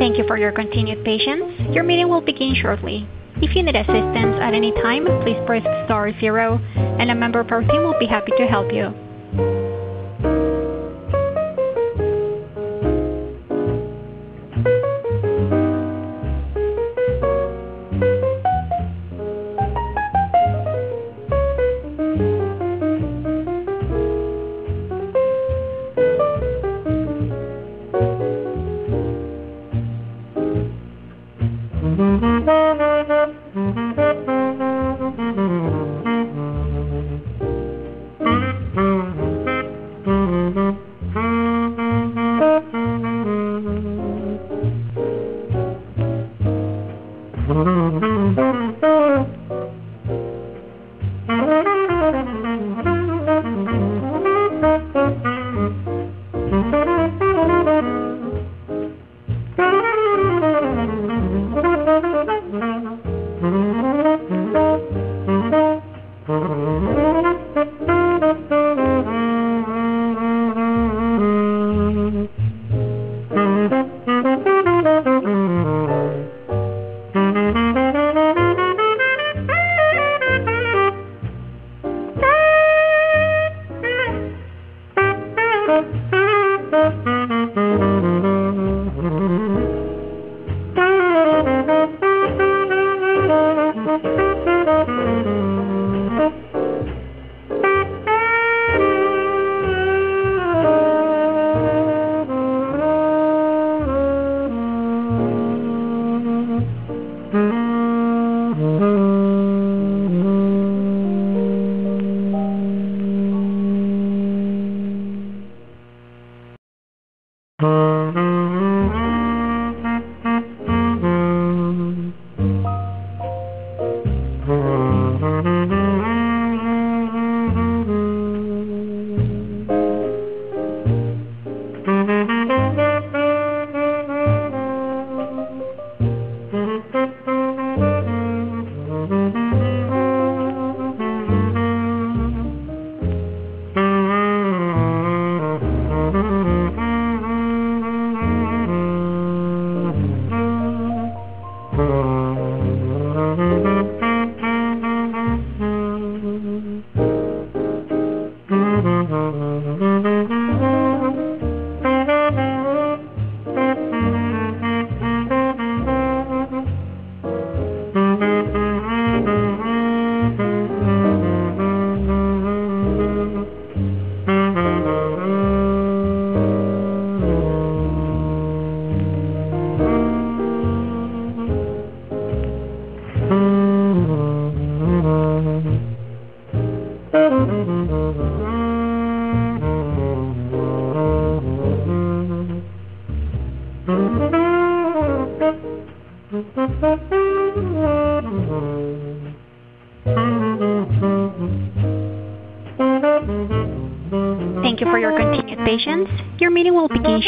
Thank you for your continued patience. Your meeting will begin shortly. If you need assistance at any time, please press star zero, and a member of our team will be happy to help you.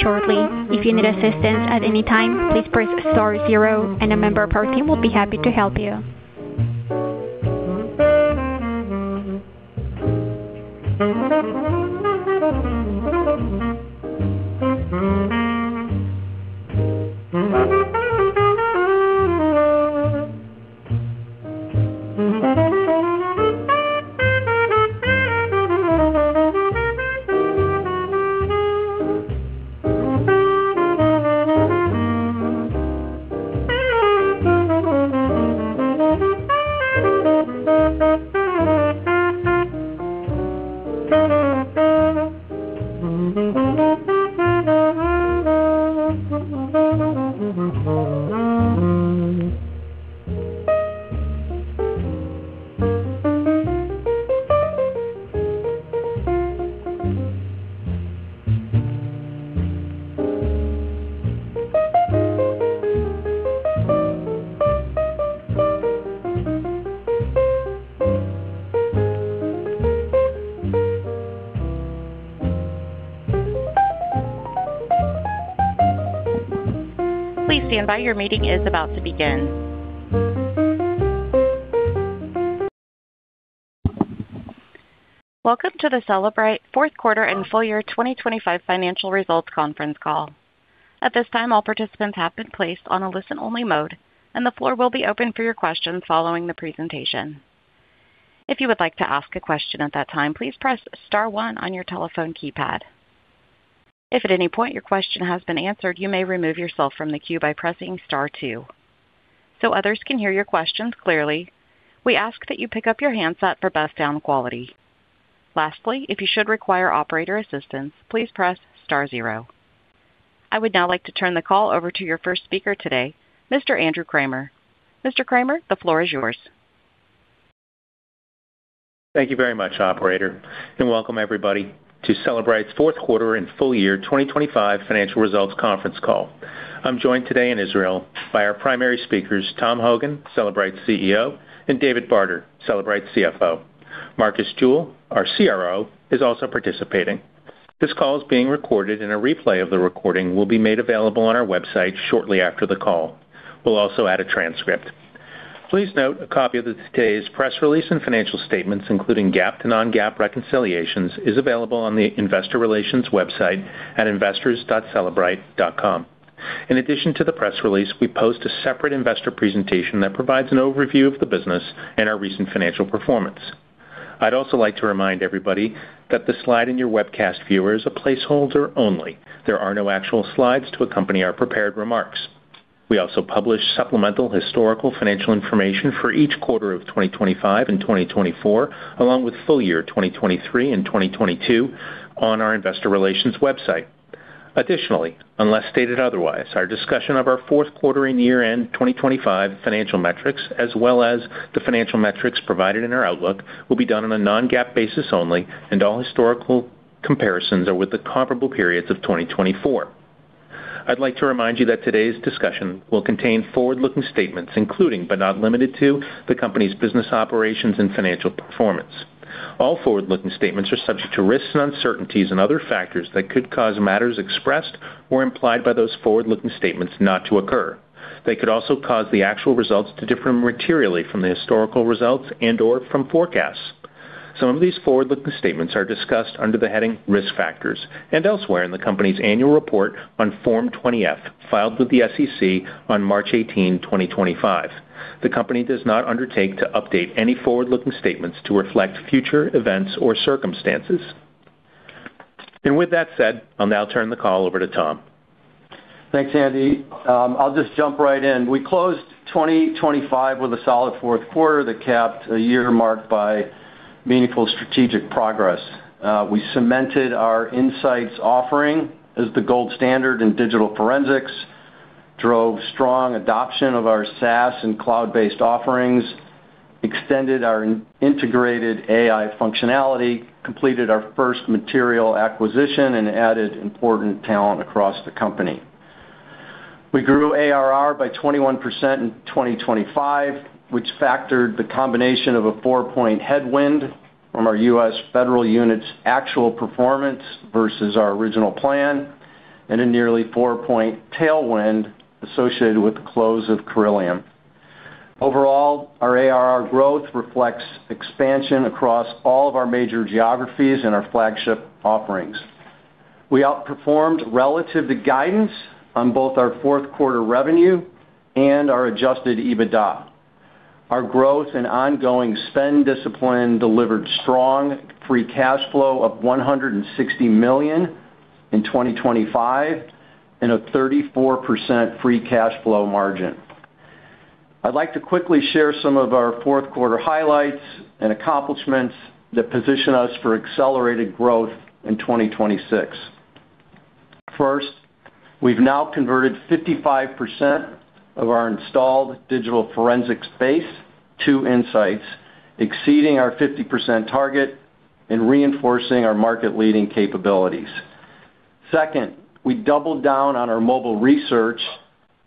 Thank you for your continued patience. Your meeting will begin shortly. If you need assistance at any time, please press star zero, and a member of our team will be happy to help you. Please stand by. Your meeting is about to begin. Welcome to the Cellebrite fourth quarter and full year 2025 financial results conference call. At this time, all participants have been placed on a listen-only mode, and the floor will be open for your questions following the presentation. If you would like to ask a question at that time, please press star 1 on your telephone keypad. If at any point your question has been answered, you may remove yourself from the queue by pressing star two so others can hear your questions clearly. We ask that you pick up your handset for best sound quality. Lastly, if you should require operator assistance, please press star zero. I would now like to turn the call over to your first speaker today, Mr. Andrew Kramer. Mr. Kramer, the floor is yours. Thank you very much, operator, and welcome everybody to Cellebrite's fourth quarter and full year 2025 financial results conference call. I'm joined today in Israel by our primary speakers, Tom Hogan, Cellebrite's CEO, and David Barter, Cellebrite's CFO. Marcus Jewell, our CRO, is also participating. This call is being recorded, and a replay of the recording will be made available on our website shortly after the call. We'll also add a transcript. Please note a copy of today's press release and financial statements, including GAAP and non-GAAP reconciliations, is available on the investor relations website at investors.cellebrite.com. In addition to the press release, we post a separate investor presentation that provides an overview of the business and our recent financial performance. I'd also like to remind everybody that the slide in your webcast viewer is a placeholder only. There are no actual slides to accompany our prepared remarks. We also publish supplemental historical financial information for each quarter of 2025 and 2024, along with full year 2023 and 2022, on our investor relations website. Additionally, unless stated otherwise, our discussion of our fourth quarter and year-end 2025 financial metrics, as well as the financial metrics provided in our outlook, will be done on a non-GAAP basis only, and all historical comparisons are with the comparable periods of 2024. I'd like to remind you that today's discussion will contain forward-looking statements, including but not limited to, the company's business operations and financial performance. All forward-looking statements are subject to risks and uncertainties and other factors that could cause matters expressed or implied by those forward-looking statements not to occur. They could also cause the actual results to differ materially from the historical results and/or from forecasts. Some of these forward-looking statements are discussed under the heading Risk Factors and elsewhere in the company's annual report on Form 20-F filed with the SEC on March 18, 2025. The company does not undertake to update any forward-looking statements to reflect future events or circumstances. With that said, I'll now turn the call over to Tom. Thanks, Andy. I'll just jump right in. We closed 2025 with a solid fourth quarter that capped a year marked by meaningful strategic progress. We cemented our Inseyets offering as the gold standard in digital forensics, drove strong adoption of our SaaS and cloud-based offerings, extended our integrated AI functionality, completed our first material acquisition, and added important talent across the company. We grew ARR by 21% in 2025, which factored the combination of a 4-point headwind from our U.S. federal unit's actual performance versus our original plan and a nearly 4-point tailwind associated with the close of Corellium. Overall, our ARR growth reflects expansion across all of our major geographies and our flagship offerings. We outperformed relative to guidance on both our fourth quarter revenue and our Adjusted EBITDA. Our growth and ongoing spend discipline delivered strong Free Cash Flow of $160 million in 2025 and a 34% Free Cash Flow margin. I'd like to quickly share some of our fourth quarter highlights and accomplishments that position us for accelerated growth in 2026. First, we've now converted 55% of our installed digital forensics base to Inseyets, exceeding our 50% target and reinforcing our market-leading capabilities. Second, we doubled down on our mobile research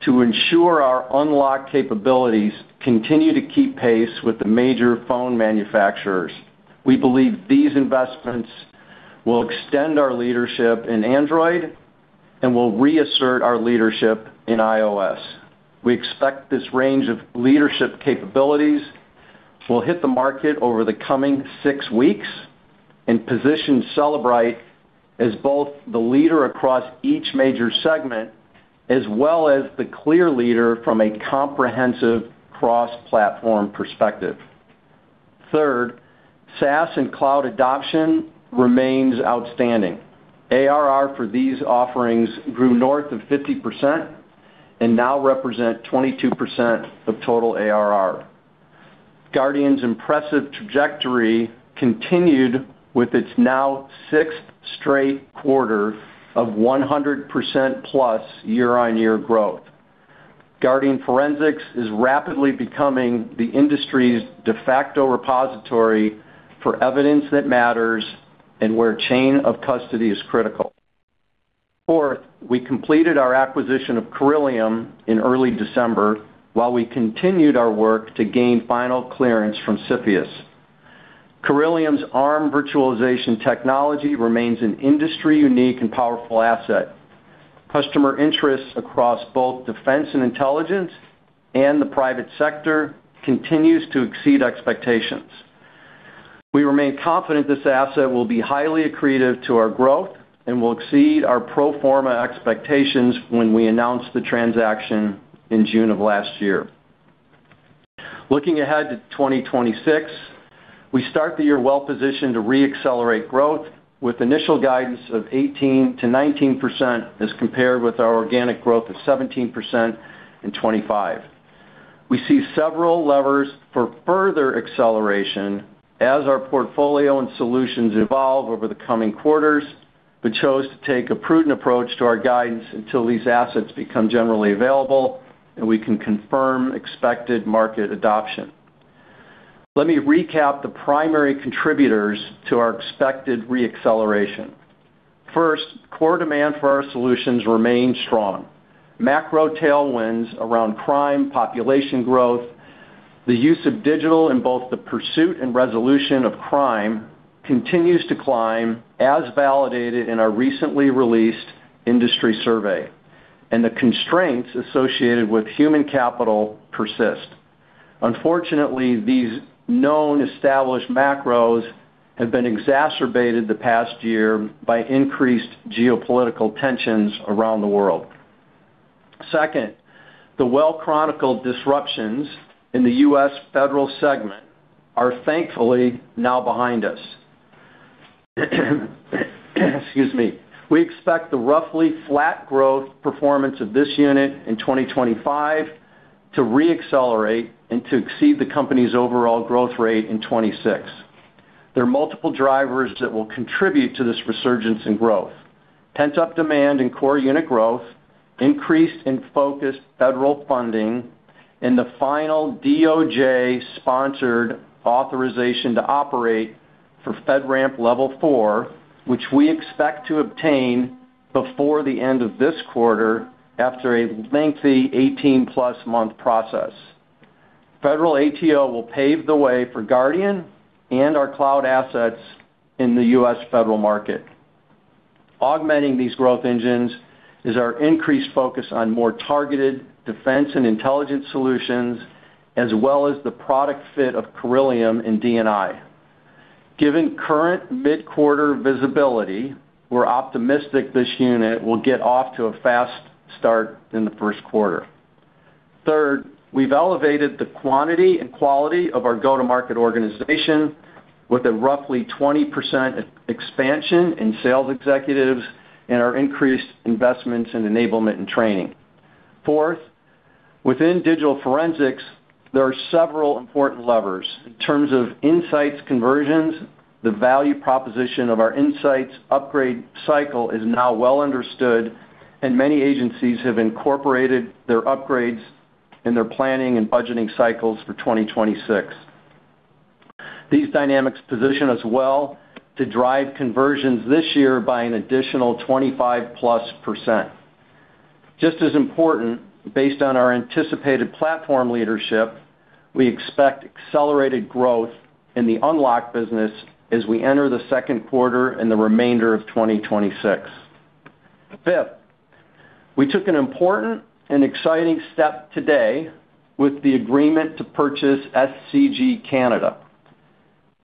to ensure our unlocked capabilities continue to keep pace with the major phone manufacturers. We believe these investments will extend our leadership in Android and will reassert our leadership in iOS. We expect this range of leadership capabilities will hit the market over the coming six weeks and position Cellebrite as both the leader across each major segment as well as the clear leader from a comprehensive cross-platform perspective. Third, SaaS and cloud adoption remains outstanding. ARR for these offerings grew north of 50% and now represents 22% of total ARR. Guardian's impressive trajectory continued with its now sixth straight quarter of 100%+ year-on-year growth. Guardian Forensics is rapidly becoming the industry's de facto repository for evidence that matters and where chain of custody is critical. Fourth, we completed our acquisition of Corellium in early December while we continued our work to gain final clearance from CFIUS. Corellium's ARM virtualization technology remains an industry-unique and powerful asset. Customer interests across both defense and intelligence and the private sector continue to exceed expectations. We remain confident this asset will be highly accretive to our growth and will exceed our pro forma expectations when we announce the transaction in June of last year. Looking ahead to 2026, we start the year well-positioned to reaccelerate growth with initial guidance of 18%-19% as compared with our organic growth of 17% in 2025. We see several levers for further acceleration as our portfolio and solutions evolve over the coming quarters, but chose to take a prudent approach to our guidance until these assets become generally available and we can confirm expected market adoption. Let me recap the primary contributors to our expected reacceleration. First, core demand for our solutions remains strong. Macro tailwinds around crime, population growth, the use of digital in both the pursuit and resolution of crime continues to climb as validated in our recently released industry survey, and the constraints associated with human capital persist. Unfortunately, these known established macros have been exacerbated the past year by increased geopolitical tensions around the world. Second, the well-chronicled disruptions in the U.S. federal segment are thankfully now behind us. Excuse me. We expect the roughly flat growth performance of this unit in 2025 to reaccelerate and to exceed the company's overall growth rate in 2026. There are multiple drivers that will contribute to this resurgence in growth: pent-up demand and core unit growth, increased and focused federal funding, and the final DOJ-sponsored authorization to operate for FedRAMP Level 4, which we expect to obtain before the end of this quarter after a lengthy 18+-month process. Federal ATO will pave the way for Guardian and our cloud assets in the U.S. federal market. Augmenting these growth engines is our increased focus on more targeted defense and intelligence solutions as well as the product fit of Corellium and D&I. Given current mid-quarter visibility, we're optimistic this unit will get off to a fast start in the first quarter. Third, we've elevated the quantity and quality of our go-to-market organization with a roughly 20% expansion in sales executives and our increased investments in enablement and training. Fourth, within digital forensics, there are several important levers. In terms of Inseyets conversions, the value proposition of our Inseyets upgrade cycle is now well understood, and many agencies have incorporated their upgrades in their planning and budgeting cycles for 2026. These dynamics position us well to drive conversions this year by an additional 25%+. Just as important, based on our anticipated platform leadership, we expect accelerated growth in the unlocked business as we enter the second quarter and the remainder of 2026. Fifth, we took an important and exciting step today with the agreement to purchase SCG Canada.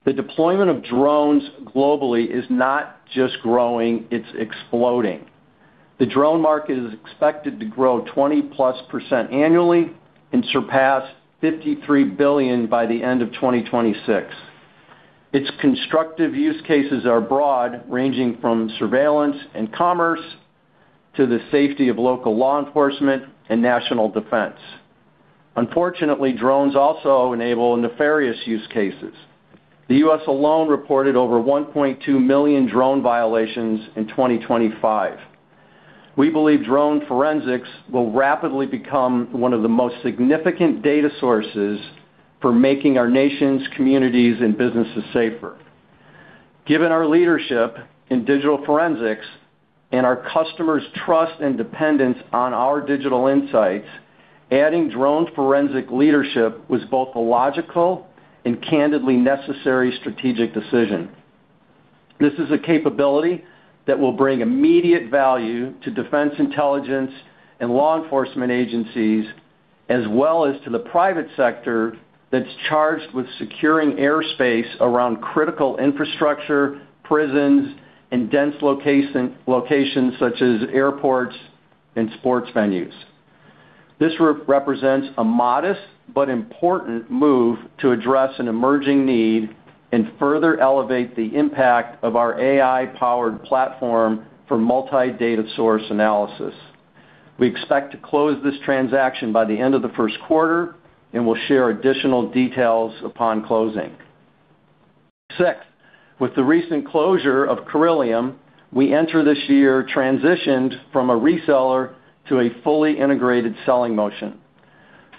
The deployment of drones globally is not just growing. It's exploding. The drone market is expected to grow 20%+ annually and surpass $53 billion by the end of 2026. Its constructive use cases are broad, ranging from surveillance and commerce to the safety of local law enforcement and national defense. Unfortunately, drones also enable nefarious use cases. The U.S. alone reported over 1.2 million drone violations in 2025. We believe drone forensics will rapidly become one of the most significant data sources for making our nation's communities and businesses safer. Given our leadership in digital forensics and our customers' trust and dependence on our digital Inseyets, adding drone forensic leadership was both a logical and candidly necessary strategic decision. This is a capability that will bring immediate value to defense intelligence and law enforcement agencies as well as to the private sector that's charged with securing airspace around critical infrastructure, prisons, and dense locations such as airports and sports venues. This represents a modest but important move to address an emerging need and further elevate the impact of our AI-powered platform for multi-data source analysis. We expect to close this transaction by the end of the first quarter, and we'll share additional details upon closing. Sixth, with the recent closure of Corellium, we enter this year transitioned from a reseller to a fully integrated selling motion.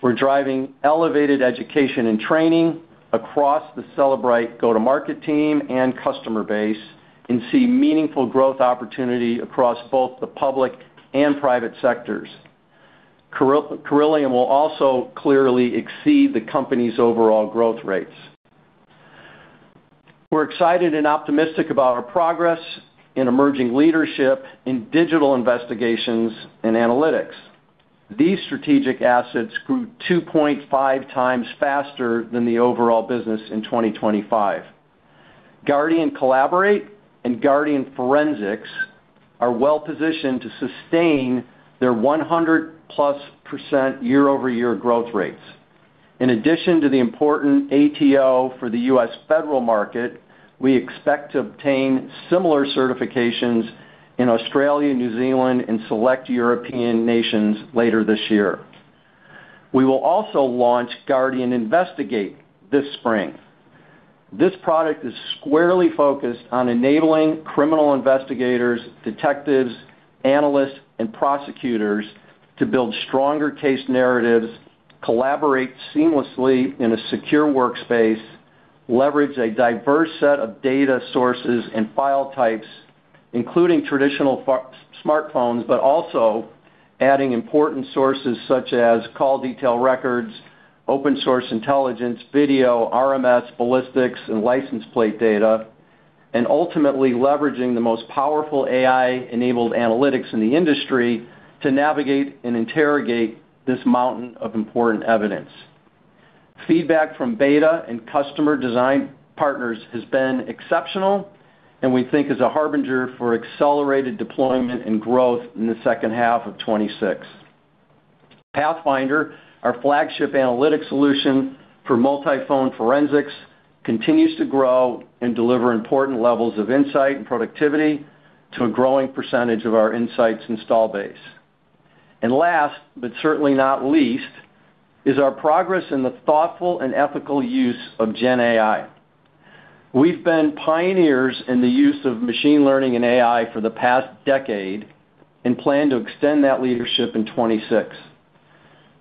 We're driving elevated education and training across the Cellebrite go-to-market team and customer base and see meaningful growth opportunity across both the public and private sectors. Corellium will also clearly exceed the company's overall growth rates. We're excited and optimistic about our progress in emerging leadership in digital investigations and analytics. These strategic assets grew 2.5 times faster than the overall business in 2025. Guardian Collaborate and Guardian Forensics are well-positioned to sustain their 100%+ year-over-year growth rates. In addition to the important ATO for the U.S. federal market, we expect to obtain similar certifications in Australia, New Zealand, and select European nations later this year. We will also launch Guardian Investigate this spring. This product is squarely focused on enabling criminal investigators, detectives, analysts, and prosecutors to build stronger case narratives, collaborate seamlessly in a secure workspace, leverage a diverse set of data sources and file types, including traditional smartphones, but also adding important sources such as call detail records, open-source intelligence, video, RMS, ballistics, and license plate data, and ultimately leveraging the most powerful AI-enabled analytics in the industry to navigate and interrogate this mountain of important evidence. Feedback from beta and customer design partners has been exceptional, and we think is a harbinger for accelerated deployment and growth in the second half of 2026. Pathfinder, our flagship analytic solution for multi-phone forensics, continues to grow and deliver important levels of insight and productivity to a growing percentage of our Inseyets install base. And last, but certainly not least, is our progress in the thoughtful and ethical use of Gen AI. We've been pioneers in the use of machine learning and AI for the past decade and plan to extend that leadership in 2026.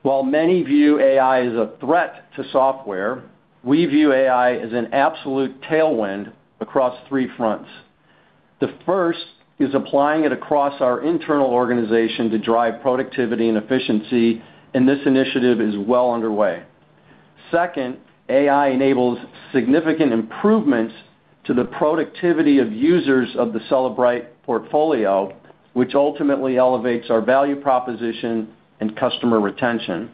While many view AI as a threat to software, we view AI as an absolute tailwind across three fronts. The first is applying it across our internal organization to drive productivity and efficiency, and this initiative is well underway. Second, AI enables significant improvements to the productivity of users of the Cellebrite portfolio, which ultimately elevates our value proposition and customer retention.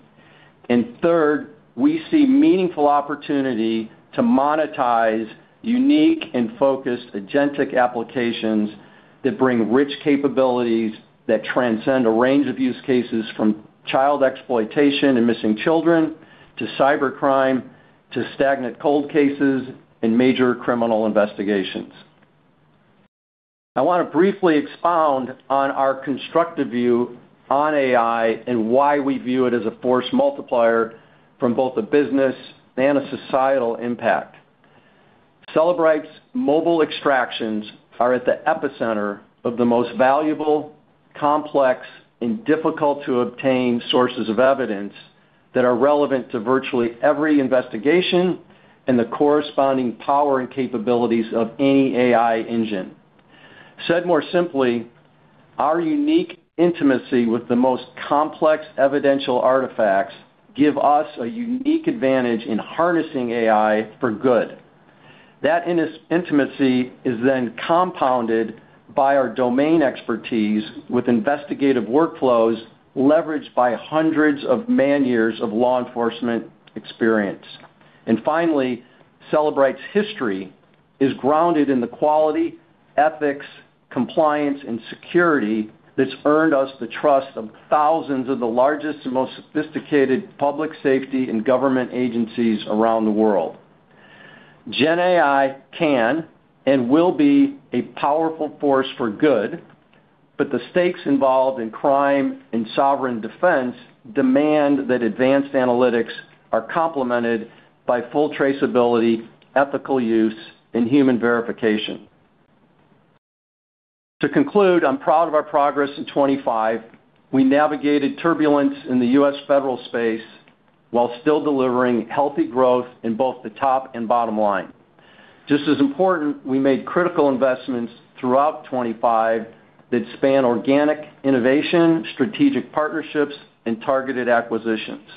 And third, we see meaningful opportunity to monetize unique and focused Agentic applications that bring rich capabilities that transcend a range of use cases from child exploitation and missing children to cybercrime to stagnant cold cases and major criminal investigations. I want to briefly expound on our constructive view on AI and why we view it as a force multiplier from both a business and a societal impact. Cellebrite's mobile extractions are at the epicenter of the most valuable, complex, and difficult-to-obtain sources of evidence that are relevant to virtually every investigation and the corresponding power and capabilities of any AI engine. Said more simply, our unique intimacy with the most complex evidential artifacts gives us a unique advantage in harnessing AI for good. That intimacy is then compounded by our domain expertise with investigative workflows leveraged by hundreds of man-years of law enforcement experience. Finally, Cellebrite's history is grounded in the quality, ethics, compliance, and security that's earned us the trust of thousands of the largest and most sophisticated public safety and government agencies around the world. Gen AI can and will be a powerful force for good, but the stakes involved in crime and sovereign defense demand that advanced analytics are complemented by full traceability, ethical use, and human verification. To conclude, I'm proud of our progress in 2025. We navigated turbulence in the U.S. federal space while still delivering healthy growth in both the top and bottom line. Just as important, we made critical investments throughout 2025 that span organic innovation, strategic partnerships, and targeted acquisitions.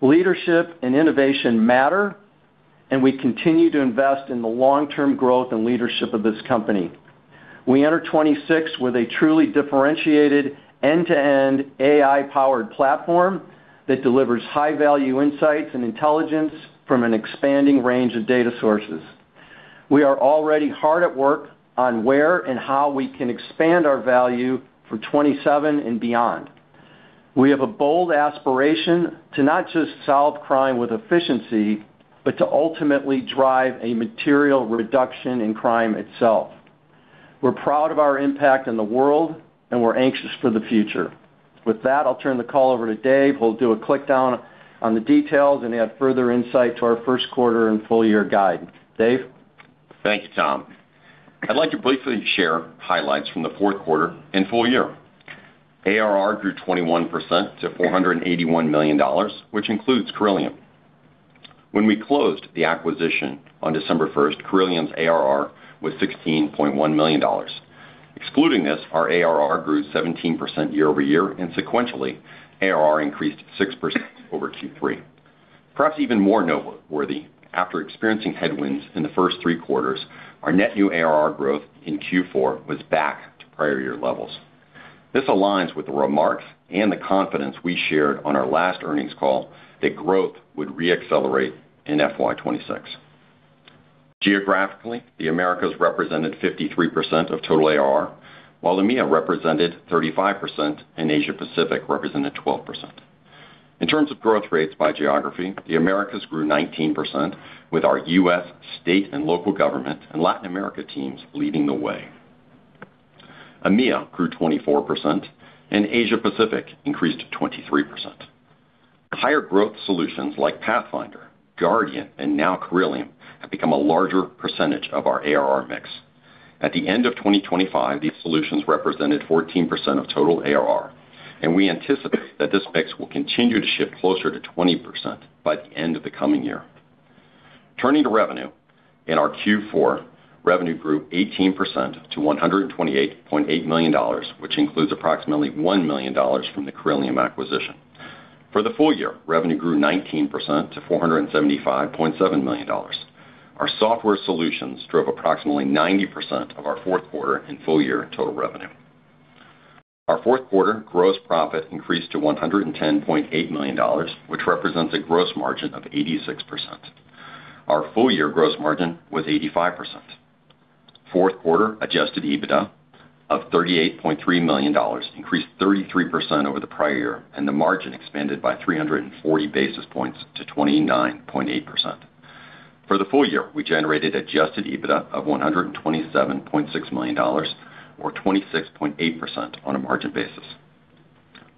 Leadership and innovation matter, and we continue to invest in the long-term growth and leadership of this company. We enter 2026 with a truly differentiated end-to-end AI-powered platform that delivers high-value Inseyets and intelligence from an expanding range of data sources. We are already hard at work on where and how we can expand our value for 2027 and beyond. We have a bold aspiration to not just solve crime with efficiency but to ultimately drive a material reduction in crime itself. We're proud of our impact in the world, and we're anxious for the future. With that, I'll turn the call over to Dave. He'll do a walkdown on the details and add further insight to our first quarter and full-year guide. Dave? Thank you, Tom. I'd like to briefly share highlights from the fourth quarter and full year. ARR grew 21% to $481 million, which includes Corellium. When we closed the acquisition on December 1st, Corellium's ARR was $16.1 million. Excluding this, our ARR grew 17% year-over-year, and sequentially, ARR increased 6% over Q3. Perhaps even more noteworthy, after experiencing headwinds in the first three quarters, our net new ARR growth in Q4 was back to prior year levels. This aligns with the remarks and the confidence we shared on our last earnings call that growth would reaccelerate in FY 2026. Geographically, the Americas represented 53% of total ARR, while EMEA represented 35%, and Asia-Pacific represented 12%. In terms of growth rates by geography, the Americas grew 19%, with our U.S. state and local government and Latin America teams leading the way. EMEA grew 24%, and Asia-Pacific increased 23%. Higher growth solutions like Pathfinder, Guardian, and now Corellium have become a larger percentage of our ARR mix. At the end of 2025, these solutions represented 14% of total ARR, and we anticipate that this mix will continue to shift closer to 20% by the end of the coming year. Turning to revenue, in our Q4, revenue grew 18% to $128.8 million, which includes approximately $1 million from the Corellium acquisition. For the full year, revenue grew 19% to $475.7 million. Our software solutions drove approximately 90% of our fourth quarter and full-year total revenue. Our fourth quarter gross profit increased to $110.8 million, which represents a gross margin of 86%. Our full-year gross margin was 85%. Fourth quarter Adjusted EBITDA of $38.3 million increased 33% over the prior year, and the margin expanded by 340 basis points to 29.8%. For the full year, we generated Adjusted EBITDA of $127.6 million, or 26.8% on a margin basis.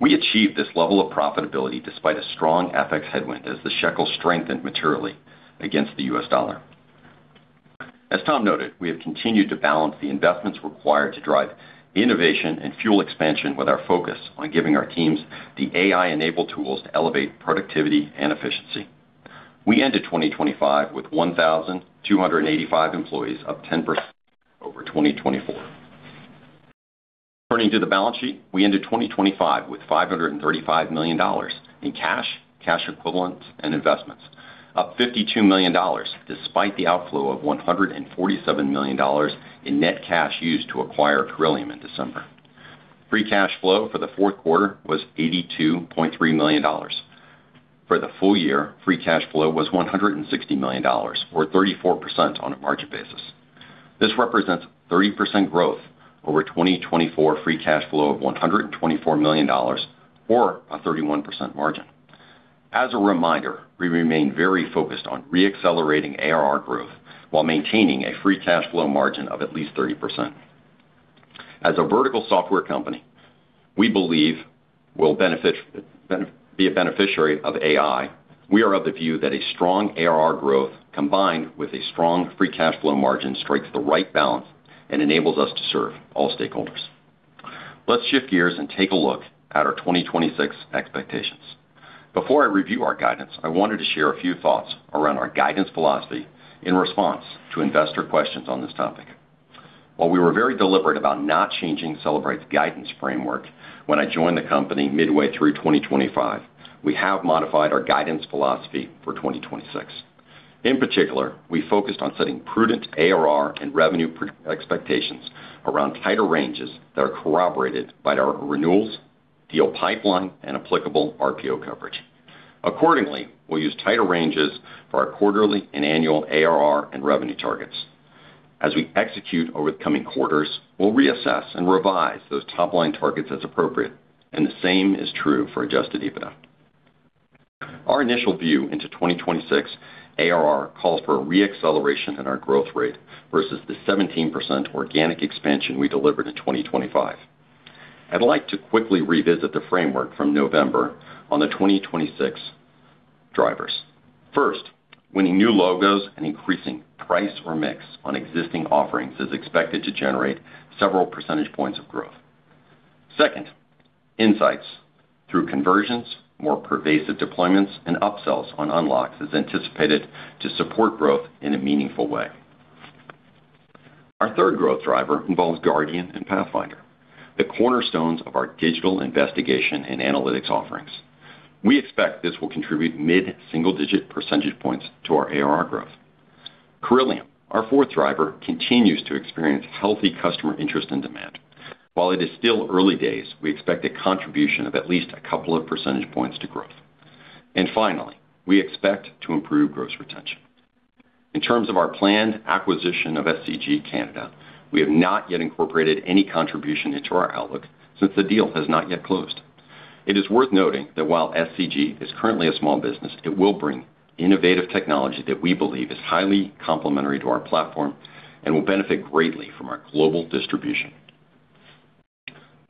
We achieved this level of profitability despite a strong FX headwind as the shekel strengthened materially against the U.S. dollar. As Tom noted, we have continued to balance the investments required to drive innovation and fuel expansion with our focus on giving our teams the AI-enabled tools to elevate productivity and efficiency. We ended 2025 with 1,285 employees, up 10% over 2024. Turning to the balance sheet, we ended 2025 with $535 million in cash, cash equivalents, and investments, up $52 million despite the outflow of $147 million in net cash used to acquire Corellium in December. Free Cash Flow for the fourth quarter was $82.3 million. For the full year, Free Cash Flow was $160 million, or 34% on a margin basis. This represents 30% growth over 2024 Free Cash Flow of $124 million or a 31% margin. As a reminder, we remain very focused on reaccelerating ARR growth while maintaining a Free Cash Flow margin of at least 30%. As a vertical software company we believe will be a beneficiary of AI, we are of the view that a strong ARR growth combined with a strong Free Cash Flow margin strikes the right balance and enables us to serve all stakeholders. Let's shift gears and take a look at our 2026 expectations. Before I review our guidance, I wanted to share a few thoughts around our guidance philosophy in response to investor questions on this topic. While we were very deliberate about not changing Cellebrite's guidance framework when I joined the company midway through 2025, we have modified our guidance philosophy for 2026. In particular, we focused on setting prudent ARR and revenue expectations around tighter ranges that are corroborated by our renewals deal pipeline and applicable RPO coverage. Accordingly, we'll use tighter ranges for our quarterly and annual ARR and revenue targets. As we execute over the coming quarters, we'll reassess and revise those top-line targets as appropriate, and the same is true for Adjusted EBITDA. Our initial view into 2026 ARR calls for a reacceleration in our growth rate versus the 17% organic expansion we delivered in 2025. I'd like to quickly revisit the framework from November on the 2026 drivers. First, winning new logos and increasing price or mix on existing offerings is expected to generate several percentage points of growth. Second, Inseyets through conversions, more pervasive deployments, and upsells on unlocks is anticipated to support growth in a meaningful way. Our third growth driver involves Guardian and Pathfinder, the cornerstones of our digital investigation and analytics offerings. We expect this will contribute mid-single-digit percentage points to our ARR growth. Corellium, our fourth driver, continues to experience healthy customer interest and demand. While it is still early days, we expect a contribution of at least a couple of percentage points to growth. And finally, we expect to improve gross retention. In terms of our planned acquisition of SCG Canada, we have not yet incorporated any contribution into our outlook since the deal has not yet closed. It is worth noting that while SCG is currently a small business, it will bring innovative technology that we believe is highly complementary to our platform and will benefit greatly from our global distribution.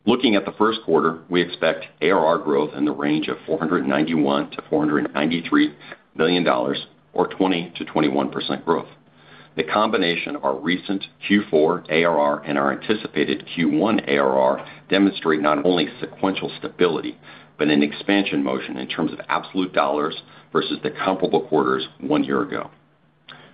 Looking at the first quarter, we expect ARR growth in the range of $491-$493 million, or 20%-21% growth. The combination of our recent Q4 ARR and our anticipated Q1 ARR demonstrates not only sequential stability but an expansion motion in terms of absolute dollars versus the comparable quarters one year ago.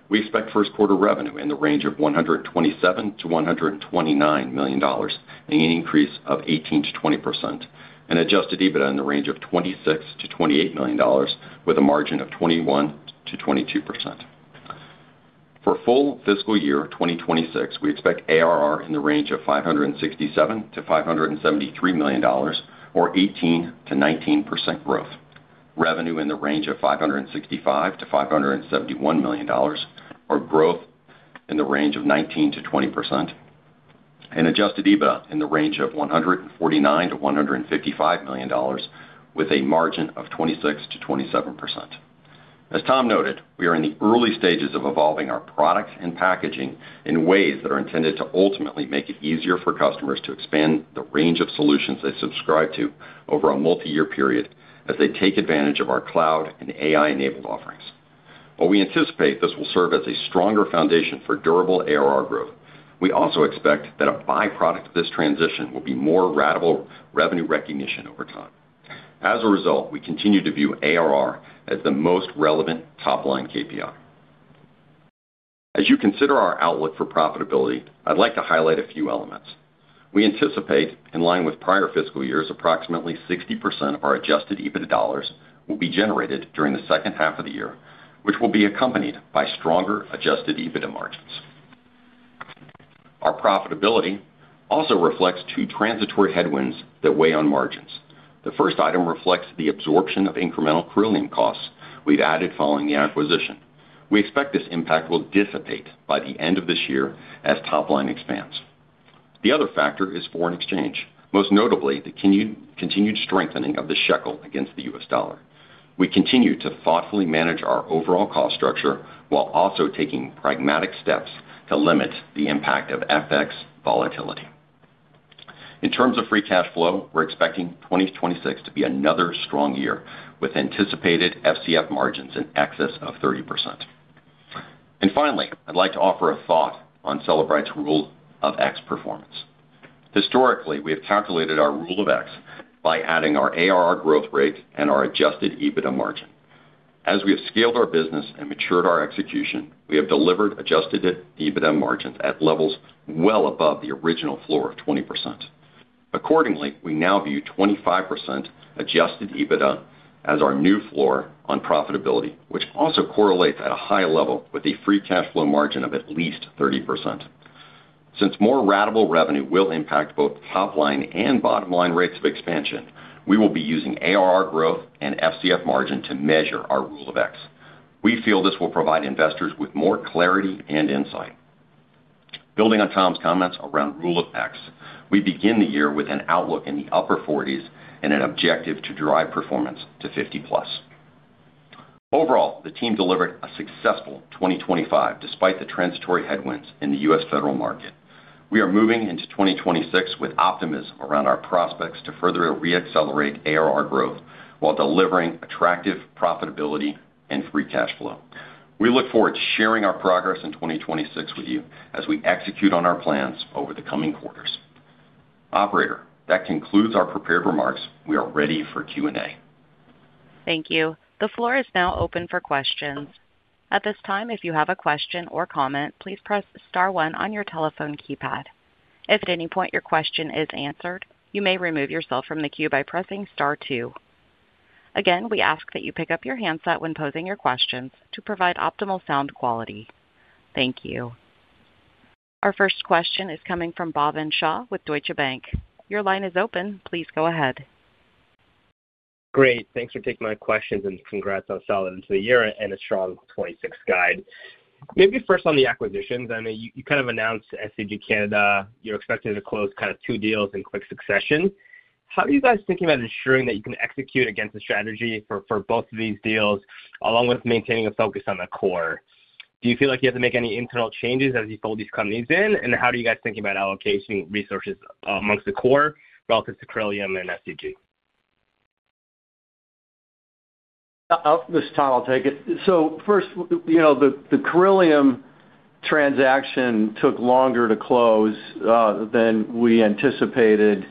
We expect first-quarter revenue in the range of $127-$129 million and an increase of 18%-20%, and Adjusted EBITDA in the range of $26-$28 million with a margin of 21%-22%. For full fiscal year 2026, we expect ARR in the range of $567-$573 million, or 18%-19% growth, revenue in the range of $565-$571 million, or growth in the range of 19%-20%, and Adjusted EBITDA in the range of $149-$155 million with a margin of 26%-27%. As Tom noted, we are in the early stages of evolving our products and packaging in ways that are intended to ultimately make it easier for customers to expand the range of solutions they subscribe to over a multi-year period as they take advantage of our cloud and AI-enabled offerings. While we anticipate this will serve as a stronger foundation for durable ARR growth, we also expect that a byproduct of this transition will be more radical revenue recognition over time. As a result, we continue to view ARR as the most relevant top-line KPI. As you consider our outlook for profitability, I'd like to highlight a few elements. We anticipate, in line with prior fiscal years, approximately 60% of our Adjusted EBITDA dollars will be generated during the second half of the year, which will be accompanied by stronger Adjusted EBITDA margins. Our profitability also reflects two transitory headwinds that weigh on margins. The first item reflects the absorption of incremental Corellium costs we've added following the acquisition. We expect this impact will dissipate by the end of this year as top-line expands. The other factor is foreign exchange, most notably the continued strengthening of the shekel against the U.S. dollar. We continue to thoughtfully manage our overall cost structure while also taking pragmatic steps to limit the impact of FX volatility. In terms of Free Cash Flow, we're expecting 2026 to be another strong year with anticipated FCF margins in excess of 30%. Finally, I'd like to offer a thought on Cellebrite's Rule of X performance. Historically, we have calculated our Rule of X by adding our ARR growth rate and our Adjusted EBITDA margin. As we have scaled our business and matured our execution, we have delivered Adjusted EBITDA margins at levels well above the original floor of 20%. Accordingly, we now view 25% Adjusted EBITDA as our new floor on profitability, which also correlates at a high level with a Free Cash Flow margin of at least 30%. Since more radical revenue will impact both top-line and bottom-line rates of expansion, we will be using ARR growth and FCF margin to measure our Rule of X. We feel this will provide investors with more clarity and insight. Building on Tom's comments around Rule of X, we begin the year with an outlook in the upper 40s and an objective to drive performance to 50+. Overall, the team delivered a successful 2025 despite the transitory headwinds in the U.S. federal market. We are moving into 2026 with optimism around our prospects to further reaccelerate ARR growth while delivering attractive profitability and Free Cash Flow. We look forward to sharing our progress in 2026 with you as we execute on our plans over the coming quarters. Operator, that concludes our prepared remarks. We are ready for Q&A. Thank you. The floor is now open for questions. At this time, if you have a question or comment, please press star one on your telephone keypad. If at any point your question is answered, you may remove yourself from the queue by pressing star two. Again, we ask that you pick up your handset when posing your questions to provide optimal sound quality. Thank you. Our first question is coming from Bhavin Shah with Deutsche Bank. Your line is open. Please go ahead. Great. Thanks for taking my questions and congrats on solid into the year and a strong 2026 guide. Maybe first on the acquisitions. I mean, you kind of announced SCG Canada. You're expected to close kind of two deals in quick succession. How are you guys thinking about ensuring that you can execute against the strategy for both of these deals along with maintaining a focus on the core? Do you feel like you have to make any internal changes as you fold these companies in? And how are you guys thinking about allocating resources amongst the core relative to Corellium and SCG? Thanks, Tom. I'll take it. So first, the Corellium transaction took longer to close than we anticipated.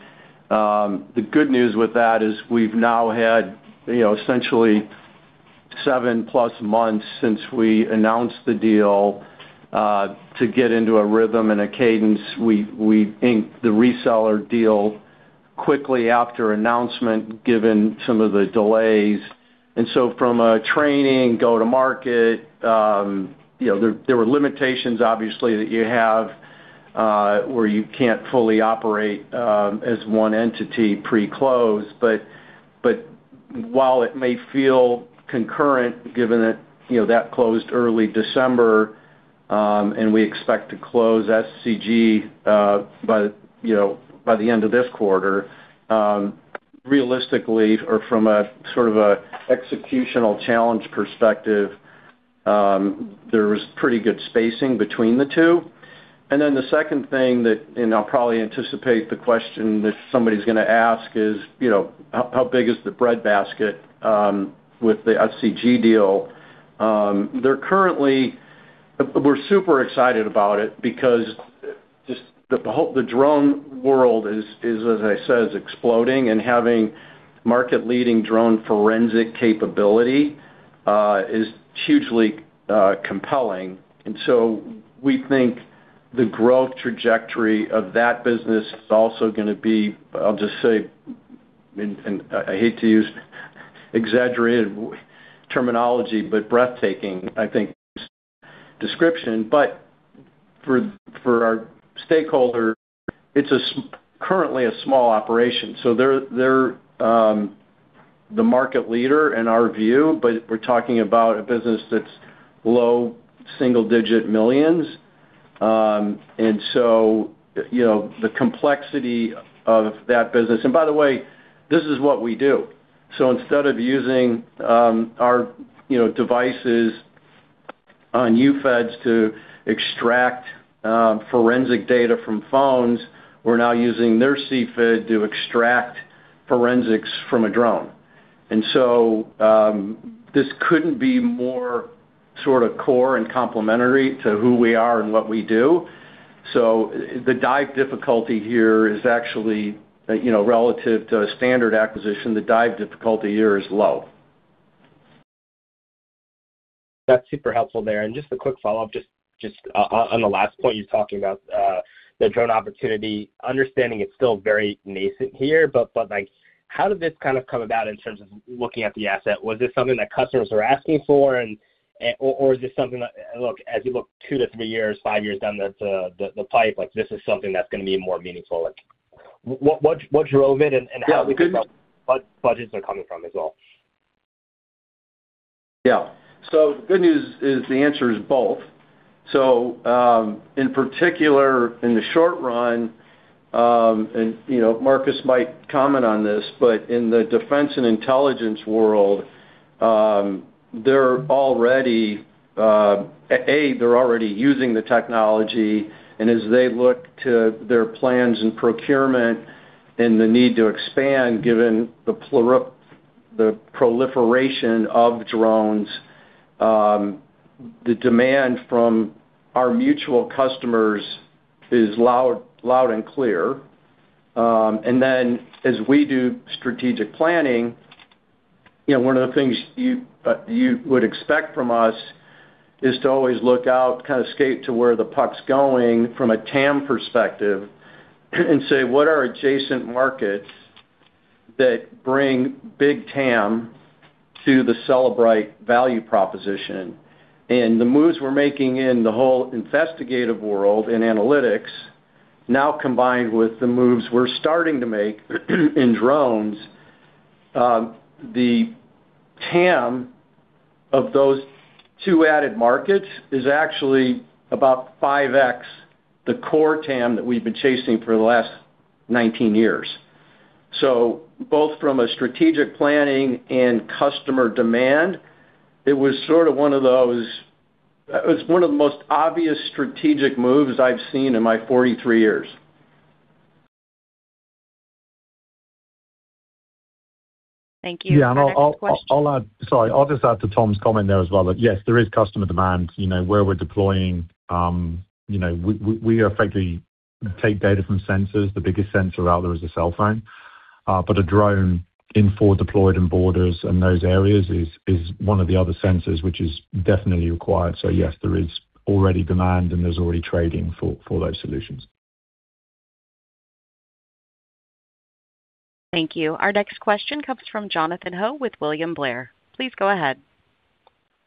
The good news with that is we've now had essentially seven plus months since we announced the deal to get into a rhythm and a cadence. We inked the reseller deal quickly after announcement given some of the delays. And so from a training, go-to-market, there were limitations, obviously, that you have where you can't fully operate as one entity pre-close. But while it may feel concurrent given that that closed early December and we expect to close SCG by the end of this quarter, realistically, or from a sort of an executional challenge perspective, there was pretty good spacing between the two. And then the second thing, and I'll probably anticipate the question that somebody's going to ask is, how big is the breadbasket with the SCG deal? We're super excited about it because just the drone world is, as I said, exploding, and having market-leading drone forensic capability is hugely compelling. And so we think the growth trajectory of that business is also going to be I'll just say, and I hate to use exaggerated terminology, but breathtaking, I think, description. But for our stakeholder, it's currently a small operation. So they're the market leader in our view, but we're talking about a business that's low single-digit millions. And so the complexity of that business and by the way, this is what we do. So instead of using our devices on UFEDs to extract forensic data from phones, we're now using their CFID to extract forensics from a drone. And so this couldn't be more sort of core and complementary to who we are and what we do. The due diligence here is actually relative to a standard acquisition. The due diligence here is low. That's super helpful there. Just a quick follow-up just on the last point you were talking about, the drone opportunity, understanding it's still very nascent here, but how did this kind of come about in terms of looking at the asset? Was this something that customers were asking for, or is this something that, look, as you look two to three years, five years down the pipe, this is something that's going to be more meaningful? What drove it, and how did you know what budgets are coming from as well? Yeah. So the good news is the answer is both. So in particular, in the short run and Marcus might comment on this, but in the defense and intelligence world, they're already using the technology. And as they look to their plans and procurement and the need to expand given the proliferation of drones, the demand from our mutual customers is loud and clear. And then as we do strategic planning, one of the things you would expect from us is to always look out, kind of skate to where the puck's going from a TAM perspective, and say, "What are adjacent markets that bring big TAM to the Cellebrite value proposition?" And the moves we're making in the whole investigative world and analytics, now combined with the moves we're starting to make in drones, the TAM of those two added markets is actually about 5x the core TAM that we've been chasing for the last 19 years. So both from a strategic planning and customer demand, it was sort of one of the most obvious strategic moves I've seen in my 43 years. Thank you. Yeah. I'll add, sorry. I'll just add to Tom's comment there as well that yes, there is customer demand. Where we're deploying, we effectively take data from sensors. The biggest sensor out there is a cell phone. But a drone in full deployed in borders and those areas is one of the other sensors, which is definitely required. So yes, there is already demand, and there's already trading for those solutions. Thank you. Our next question comes from Jonathan Ho with William Blair. Please go ahead.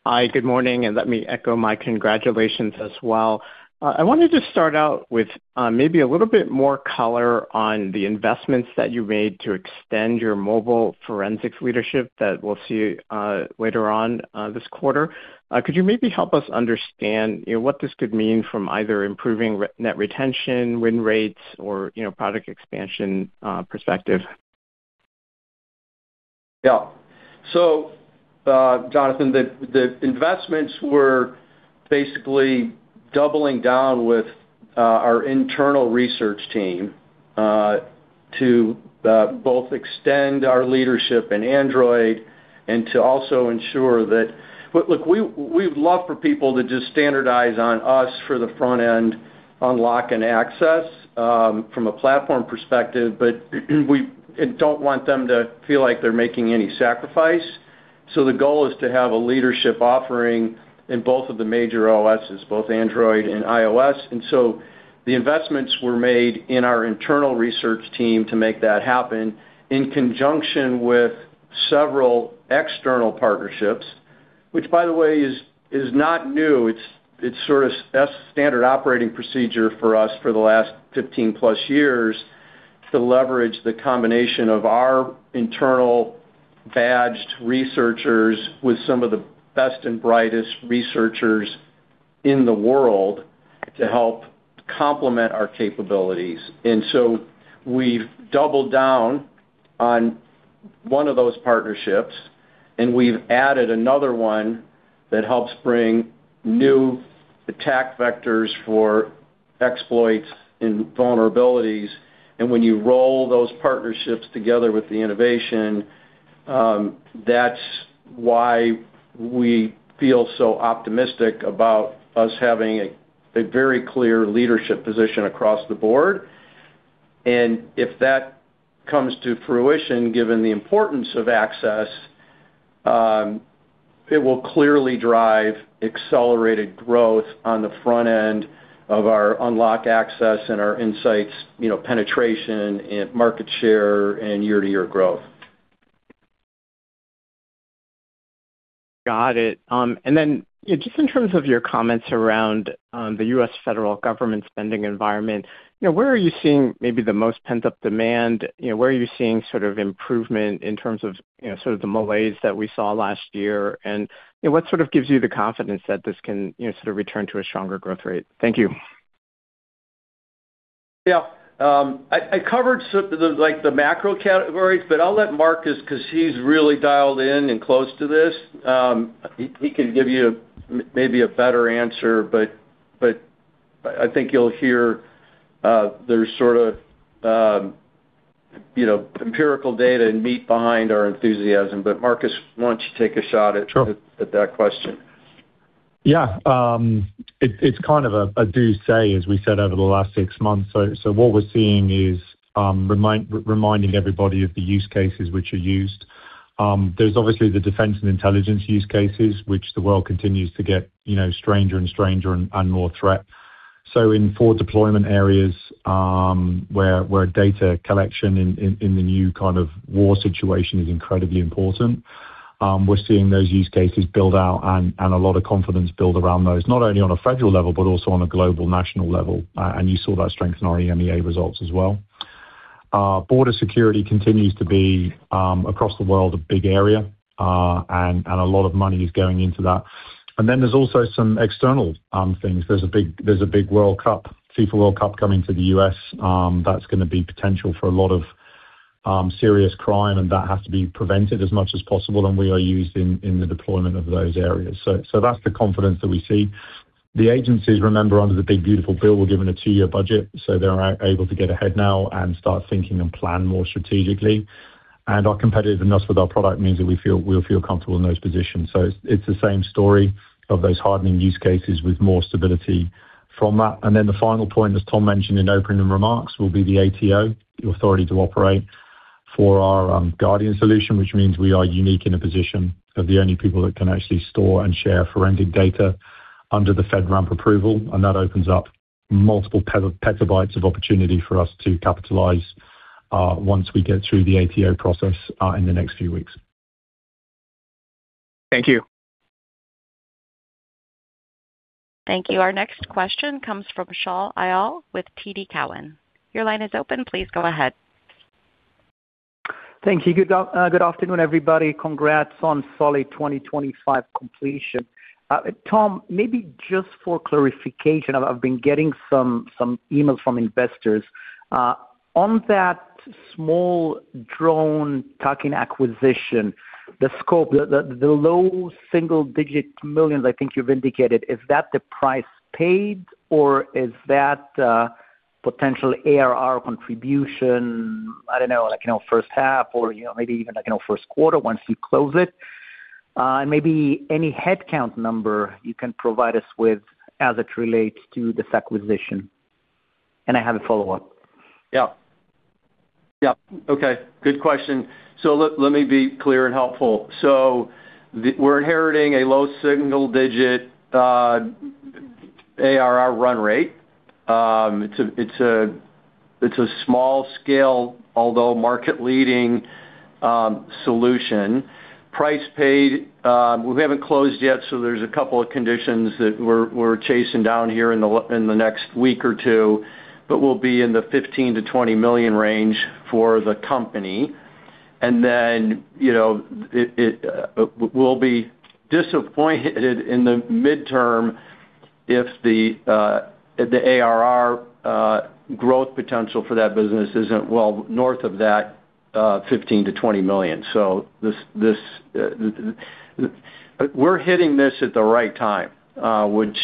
Hi. Good morning. Let me echo my congratulations as well. I wanted to start out with maybe a little bit more color on the investments that you made to extend your mobile forensics leadership that we'll see later on this quarter. Could you maybe help us understand what this could mean from either improving net retention, win rates, or product expansion perspective? Yeah. So Jonathan, the investments were basically doubling down with our internal research team to both extend our leadership in Android and to also ensure that look, we would love for people to just standardize on us for the front-end unlock and access from a platform perspective, but we don't want them to feel like they're making any sacrifice. So the goal is to have a leadership offering in both of the major OSes, both Android and iOS. And so the investments were made in our internal research team to make that happen in conjunction with several external partnerships, which, by the way, is not new. It's sort of standard operating procedure for us for the last 15+ years to leverage the combination of our internal badged researchers with some of the best and brightest researchers in the world to help complement our capabilities. We've doubled down on one of those partnerships, and we've added another one that helps bring new attack vectors for exploits and vulnerabilities. When you roll those partnerships together with the innovation, that's why we feel so optimistic about us having a very clear leadership position across the board. If that comes to fruition, given the importance of access, it will clearly drive accelerated growth on the front end of our unlock access and our Inseyets penetration and market share and year-to-year growth. Got it. And then just in terms of your comments around the U.S. federal government spending environment, where are you seeing maybe the most pent-up demand? Where are you seeing sort of improvement in terms of sort of the malaise that we saw last year? And what sort of gives you the confidence that this can sort of return to a stronger growth rate? Thank you. Yeah. I covered the macro categories, but I'll let Marcus because he's really dialed in and close to this. He can give you maybe a better answer, but I think you'll hear there's sort of empirical data and meat behind our enthusiasm. But Marcus, why don't you take a shot at that question? Yeah. It's kind of a doozy, as we said, over the last six months. So what we're seeing is reminding everybody of the use cases which are used. There's obviously the defense and intelligence use cases, which the world continues to get stranger and stranger and more threat. So in four deployment areas where data collection in the new kind of war situation is incredibly important, we're seeing those use cases build out and a lot of confidence build around those, not only on a federal level but also on a global national level. You saw that strength in our EMEA results as well. Border security continues to be, across the world, a big area, and a lot of money is going into that. Then there's also some external things. There's a big World Cup, FIFA World Cup, coming to the U.S. That's going to be potential for a lot of serious crime, and that has to be prevented as much as possible. We are used in the deployment of those areas. That's the confidence that we see. The agencies, remember, under the big beautiful bill, were given a two-year budget. They're able to get ahead now and start thinking and plan more strategically. Our competitiveness with our product means that we'll feel comfortable in those positions. It's the same story of those hardening use cases with more stability from that. Then the final point, as Tom mentioned in opening remarks, will be the ATO, the Authority to Operate, for our Guardian solution, which means we are unique in a position of the only people that can actually store and share forensic data under the FedRAMP approval. That opens up multiple petabytes of opportunity for us to capitalize once we get through the ATO process in the next few weeks. Thank you. Thank you. Our next question comes from Shaul Eyal with TD Cowen. Your line is open. Please go ahead. Thank you. Good afternoon, everybody. Congrats on solid 2025 completion. Tom, maybe just for clarification, I've been getting some emails from investors. On that small drone tuck-in acquisition, the scope, the $1 million-$9 million, I think you've indicated, is that the price paid, or is that potentially ARR contribution? I don't know, first half or maybe even first quarter once you close it. And maybe any headcount number you can provide us with as it relates to this acquisition. And I have a follow-up. Yeah. Yeah. Okay. Good question. So let me be clear and helpful. So we're inheriting a low single-digit ARR run rate. It's a small-scale, although market-leading solution. Price paid, we haven't closed yet, so there's a couple of conditions that we're chasing down here in the next week or two, but we'll be in the $15 million-$20 million range for the company. And then we'll be disappointed in the midterm if the ARR growth potential for that business isn't well north of that $15 million-$20 million. So we're hitting this at the right time, which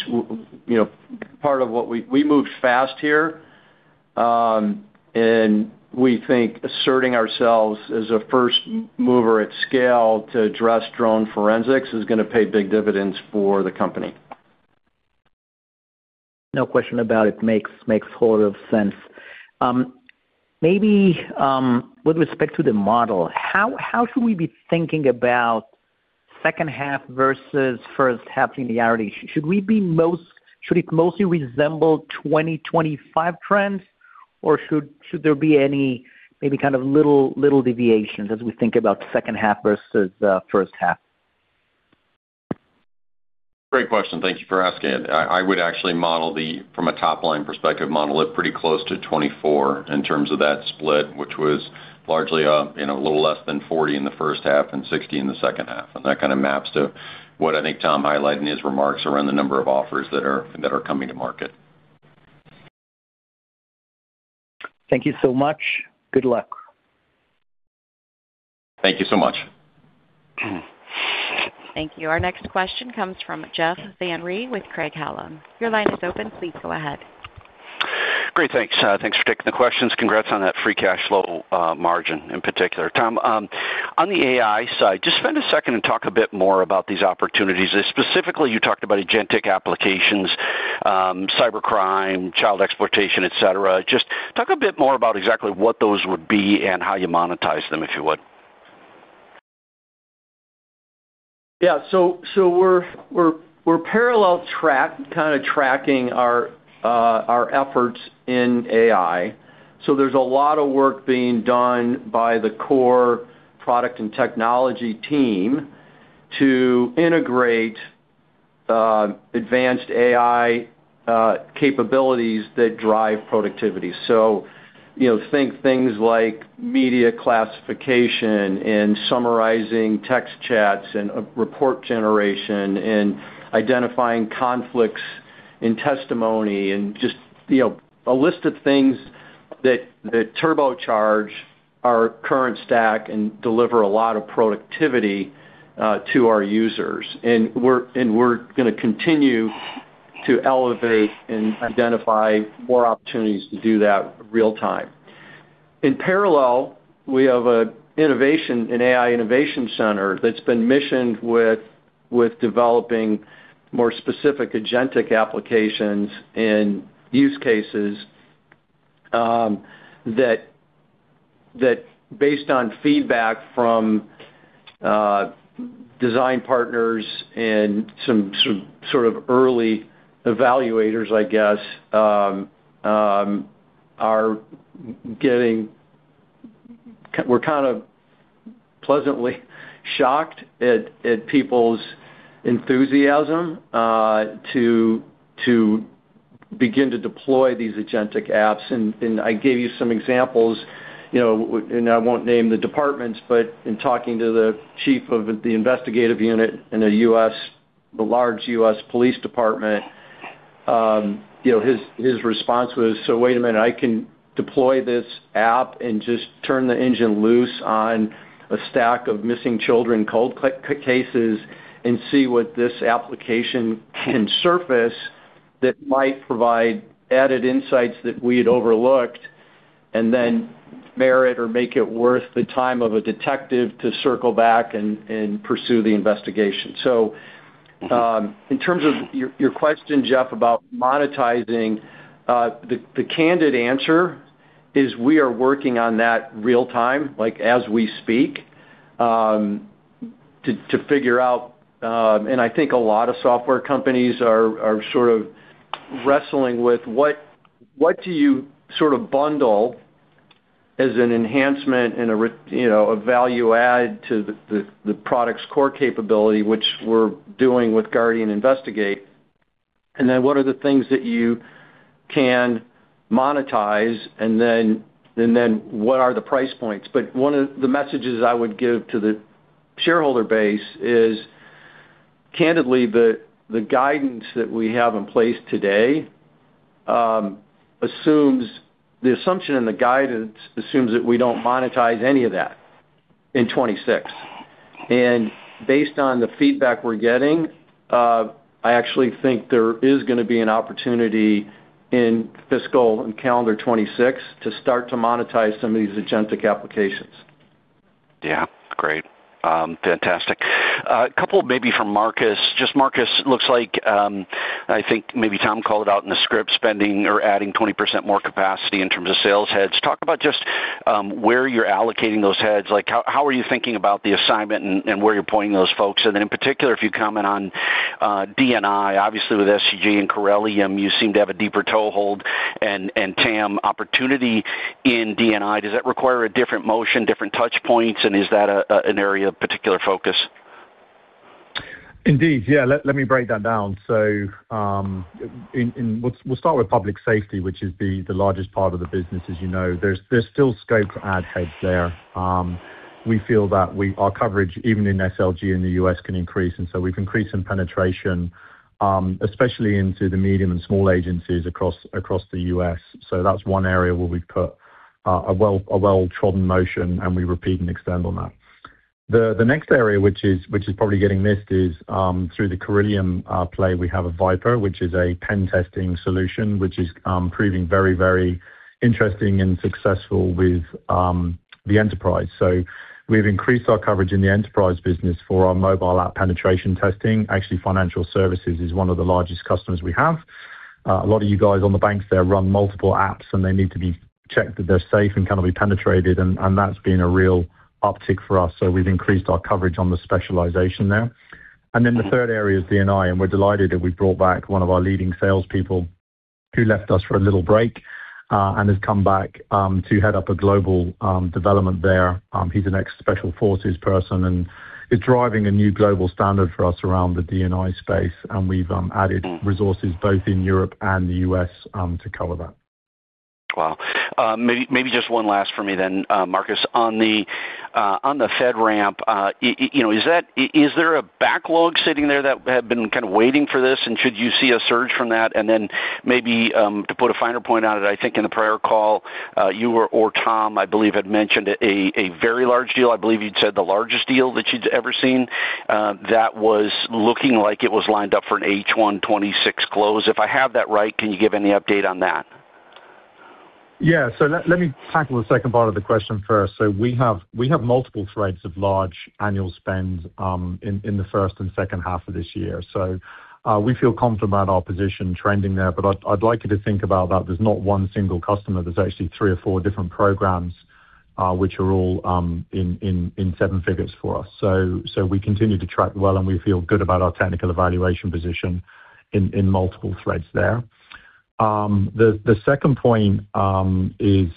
part of what we moved fast here, and we think asserting ourselves as a first mover at scale to address drone forensics is going to pay big dividends for the company. No question about it. Makes a lot of sense. Maybe with respect to the model, how should we be thinking about second half versus first half linearity? Should it mostly resemble 2025 trends, or should there be any maybe kind of little deviations as we think about second half versus first half? Great question. Thank you for asking it. I would actually model it from a top-line perspective, model it pretty close to 2024 in terms of that split, which was largely a little less than 40 in the first half and 60 in the second half. That kind of maps to what I think Tom highlighted in his remarks around the number of offers that are coming to market. Thank you so much. Good luck. Thank you so much. Thank you. Our next question comes from Jeff Van Rhee with Craig-Hallum. Your line is open. Please go ahead. Great. Thanks. Thanks for taking the questions. Congrats on that Free Cash Flow margin in particular. Tom, on the AI side, just spend a second and talk a bit more about these opportunities. Specifically, you talked about agentic applications, cybercrime, child exploitation, etc. Just talk a bit more about exactly what those would be and how you monetize them, if you would? Yeah. So we're parallel kind of tracking our efforts in AI. So there's a lot of work being done by the core product and technology team to integrate advanced AI capabilities that drive productivity. So think things like media classification and summarizing text chats and report generation and identifying conflicts in testimony and just a list of things that turbocharge our current stack and deliver a lot of productivity to our users. And we're going to continue to elevate and identify more opportunities to do that real-time. In parallel, we have an AI innovation center that's been missioned with developing more specific agentic applications and use cases that, based on feedback from design partners and some sort of early evaluators, I guess, are getting. We're kind of pleasantly shocked at people's enthusiasm to begin to deploy these agentic apps. I gave you some examples, and I won't name the departments, but in talking to the chief of the investigative unit in the large U.S. police department, his response was, "So wait a minute. I can deploy this app and just turn the engine loose on a stack of missing children cold cases and see what this application can surface that might provide added Inseyets that we had overlooked and then merit or make it worth the time of a detective to circle back and pursue the investigation." So in terms of your question, Jeff, about monetizing, the candid answer is we are working on that real-time as we speak to figure out and I think a lot of software companies are sort of wrestling with what do you sort of bundle as an enhancement and a value add to the product's core capability, which we're doing with Guardian Investigate, and then what are the things that you can monetize, and then what are the price points? One of the messages I would give to the shareholder base is, candidly, the guidance that we have in place today assumes the assumption and the guidance assumes that we don't monetize any of that in 2026. And based on the feedback we're getting, I actually think there is going to be an opportunity in fiscal and calendar 2026 to start to monetize some of these agentic applications. Yeah. Great. Fantastic. A couple maybe from Marcus. Just Marcus, it looks like. I think maybe Tom called it out in the script, spending or adding 20% more capacity in terms of sales heads. Talk about just where you're allocating those heads. How are you thinking about the assignment and where you're pointing those folks? And then in particular, if you comment on D&I, obviously, with SCG and Corellium, you seem to have a deeper toehold. And TAM opportunity in D&I, does that require a different motion, different touchpoints, and is that an area of particular focus? Indeed. Yeah. Let me break that down. So we'll start with public safety, which is the largest part of the business, as you know. There's still scope to add heads there. We feel that our coverage, even in SLG in the U.S., can increase. And so we've increased in penetration, especially into the medium and small agencies across the U.S. So that's one area where we've put a well-trodden motion, and we repeat and extend on that. The next area, which is probably getting missed, is through the Corellium play. We have a Viper, which is a pen-testing solution, which is proving very, very interesting and successful with the enterprise. So we've increased our coverage in the enterprise business for our mobile app penetration testing. Actually, financial services is one of the largest customers we have. A lot of you guys on the banks there run multiple apps, and they need to be checked that they're safe and cannot be penetrated. That's been a real uptick for us. We've increased our coverage on the specialization there. The third area is D&I, and we're delighted that we've brought back one of our leading salespeople who left us for a little break and has come back to head up a global development there. He's an ex-special forces person, and he's driving a new global standard for us around the D&I space. We've added resources both in Europe and the U.S. to cover that. Wow. Maybe just one last for me then, Marcus. On the FedRAMP, is there a backlog sitting there that had been kind of waiting for this, and should you see a surge from that? And then maybe to put a finer point on it, I think in the prior call, you or Tom, I believe, had mentioned a very large deal. I believe you'd said the largest deal that you'd ever seen. That was looking like it was lined up for an H1 2026 close. If I have that right, can you give any update on that? Yeah. So let me tackle the second part of the question first. So we have multiple threads of large annual spend in the first and second half of this year. So we feel confident about our position trending there, but I'd like you to think about that. There's not one single customer. There's actually three or four different programs, which are all in seven figures for us. So we continue to track well, and we feel good about our technical evaluation position in multiple threads there. The second point is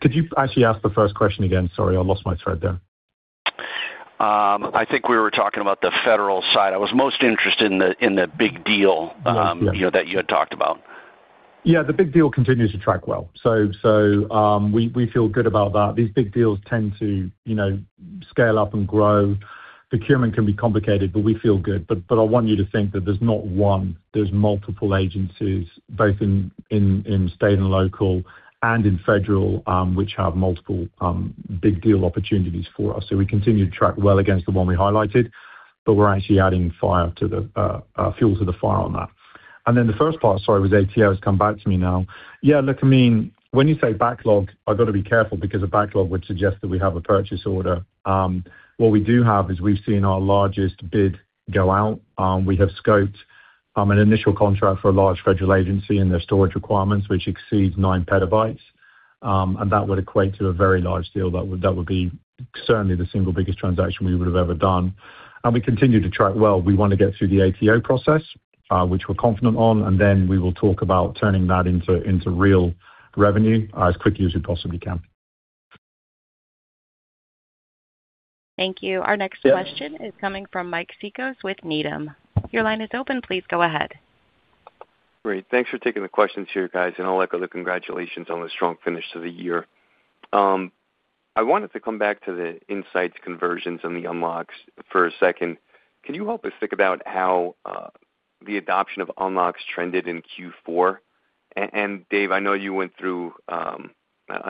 could you actually ask the first question again? Sorry. I lost my thread there. I think we were talking about the federal side. I was most interested in the big deal that you had talked about. Yeah. The big deal continues to track well. So we feel good about that. These big deals tend to scale up and grow. Procurement can be complicated, but we feel good. But I want you to think that there's not one. There's multiple agencies, both in state and local and in federal, which have multiple big deal opportunities for us. So we continue to track well against the one we highlighted, but we're actually adding fuel to the fire on that. And then the first part, sorry, was ATO has come back to me now. Yeah. Look, I mean, when you say backlog, I've got to be careful because a backlog would suggest that we have a purchase order. What we do have is we've seen our largest bid go out. We have scoped an initial contract for a large federal agency and their storage requirements, which exceeds 9 PB. That would equate to a very large deal. That would be certainly the single biggest transaction we would have ever done. We continue to track well. We want to get through the ATO process, which we're confident on, and then we will talk about turning that into real revenue as quickly as we possibly can. Thank you. Our next question is coming from Mike Cikos with Needham. Your line is open. Please go ahead. Great. Thanks for taking the questions here, guys. And I'll echo the congratulations on the strong finish to the year. I wanted to come back to the Inseyets conversions and the unlocks for a second. Can you help us think about how the adoption of unlocks trended in Q4? And Dave, I know you went through a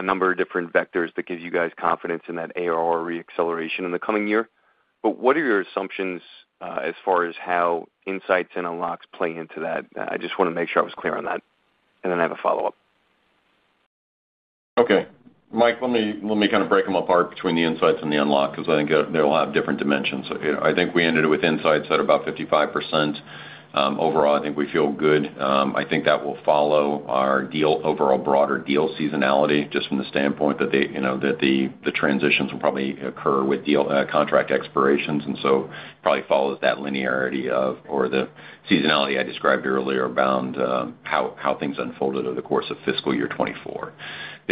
number of different vectors that give you guys confidence in that ARR reacceleration in the coming year, but what are your assumptions as far as how Inseyets and unlocks play into that? I just want to make sure I was clear on that, and then have a follow-up. Okay. Mike, let me kind of break them apart between the Inseyets and the unlock because I think they'll have different dimensions. I think we ended it with Inseyets at about 55%. Overall, I think we feel good. I think that will follow our overall broader deal seasonality just from the standpoint that the transitions will probably occur with contract expirations, and so probably follows that linearity of or the seasonality I described earlier bound how things unfolded over the course of fiscal year 2024.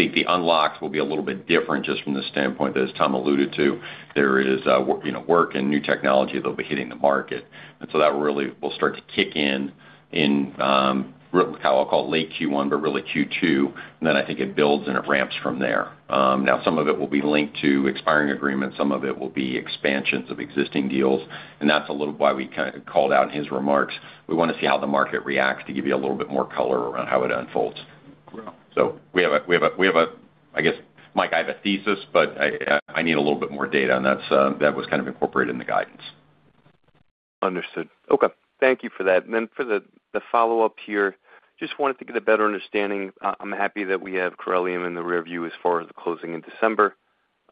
The unlocks will be a little bit different just from the standpoint that, as Tom alluded to, there is work and new technology that'll be hitting the market. And so that really will start to kick in in what I'll call late Q1, but really Q2, and then I think it builds and it ramps from there. Now, some of it will be linked to expiring agreements. Some of it will be expansions of existing deals. And that's a little why we called out in his remarks. We want to see how the market reacts to give you a little bit more color around how it unfolds. So we have, I guess, Mike, I have a thesis, but I need a little bit more data, and that was kind of incorporated in the guidance. Understood. Okay. Thank you for that. And then for the follow-up here, just wanted to get a better understanding. I'm happy that we have Corellium in the rearview as far as the closing in December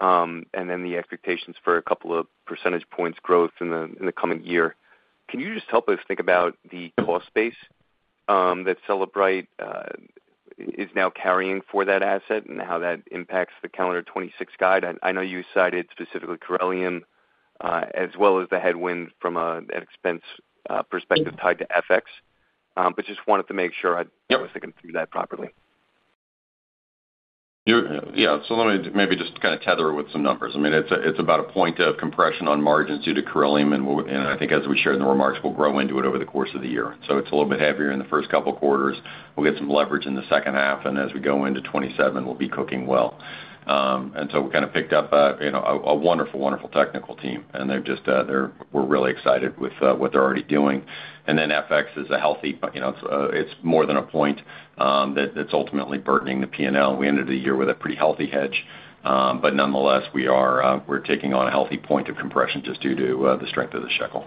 and then the expectations for a couple of percentage points growth in the coming year. Can you just help us think about the cost base that Cellebrite is now carrying for that asset and how that impacts the calendar 2026 guide? I know you cited specifically Corellium as well as the headwind from an expense perspective tied to FX, but just wanted to make sure I was thinking through that properly. Yeah. So let me maybe just kind of tether it with some numbers. I mean, it's about a point of compression on margins due to Corellium, and I think, as we shared in the remarks, we'll grow into it over the course of the year. So it's a little bit heavier in the first couple of quarters. We'll get some leverage in the second half, and as we go into 2027, we'll be cooking well. And so we kind of picked up a wonderful, wonderful technical team, and we're really excited with what they're already doing. And then FX is a headwind; it's more than a point that's ultimately burdening the P&L. We ended the year with a pretty healthy hedge, but nonetheless, we're taking on a healthy point of compression just due to the strength of the shekel.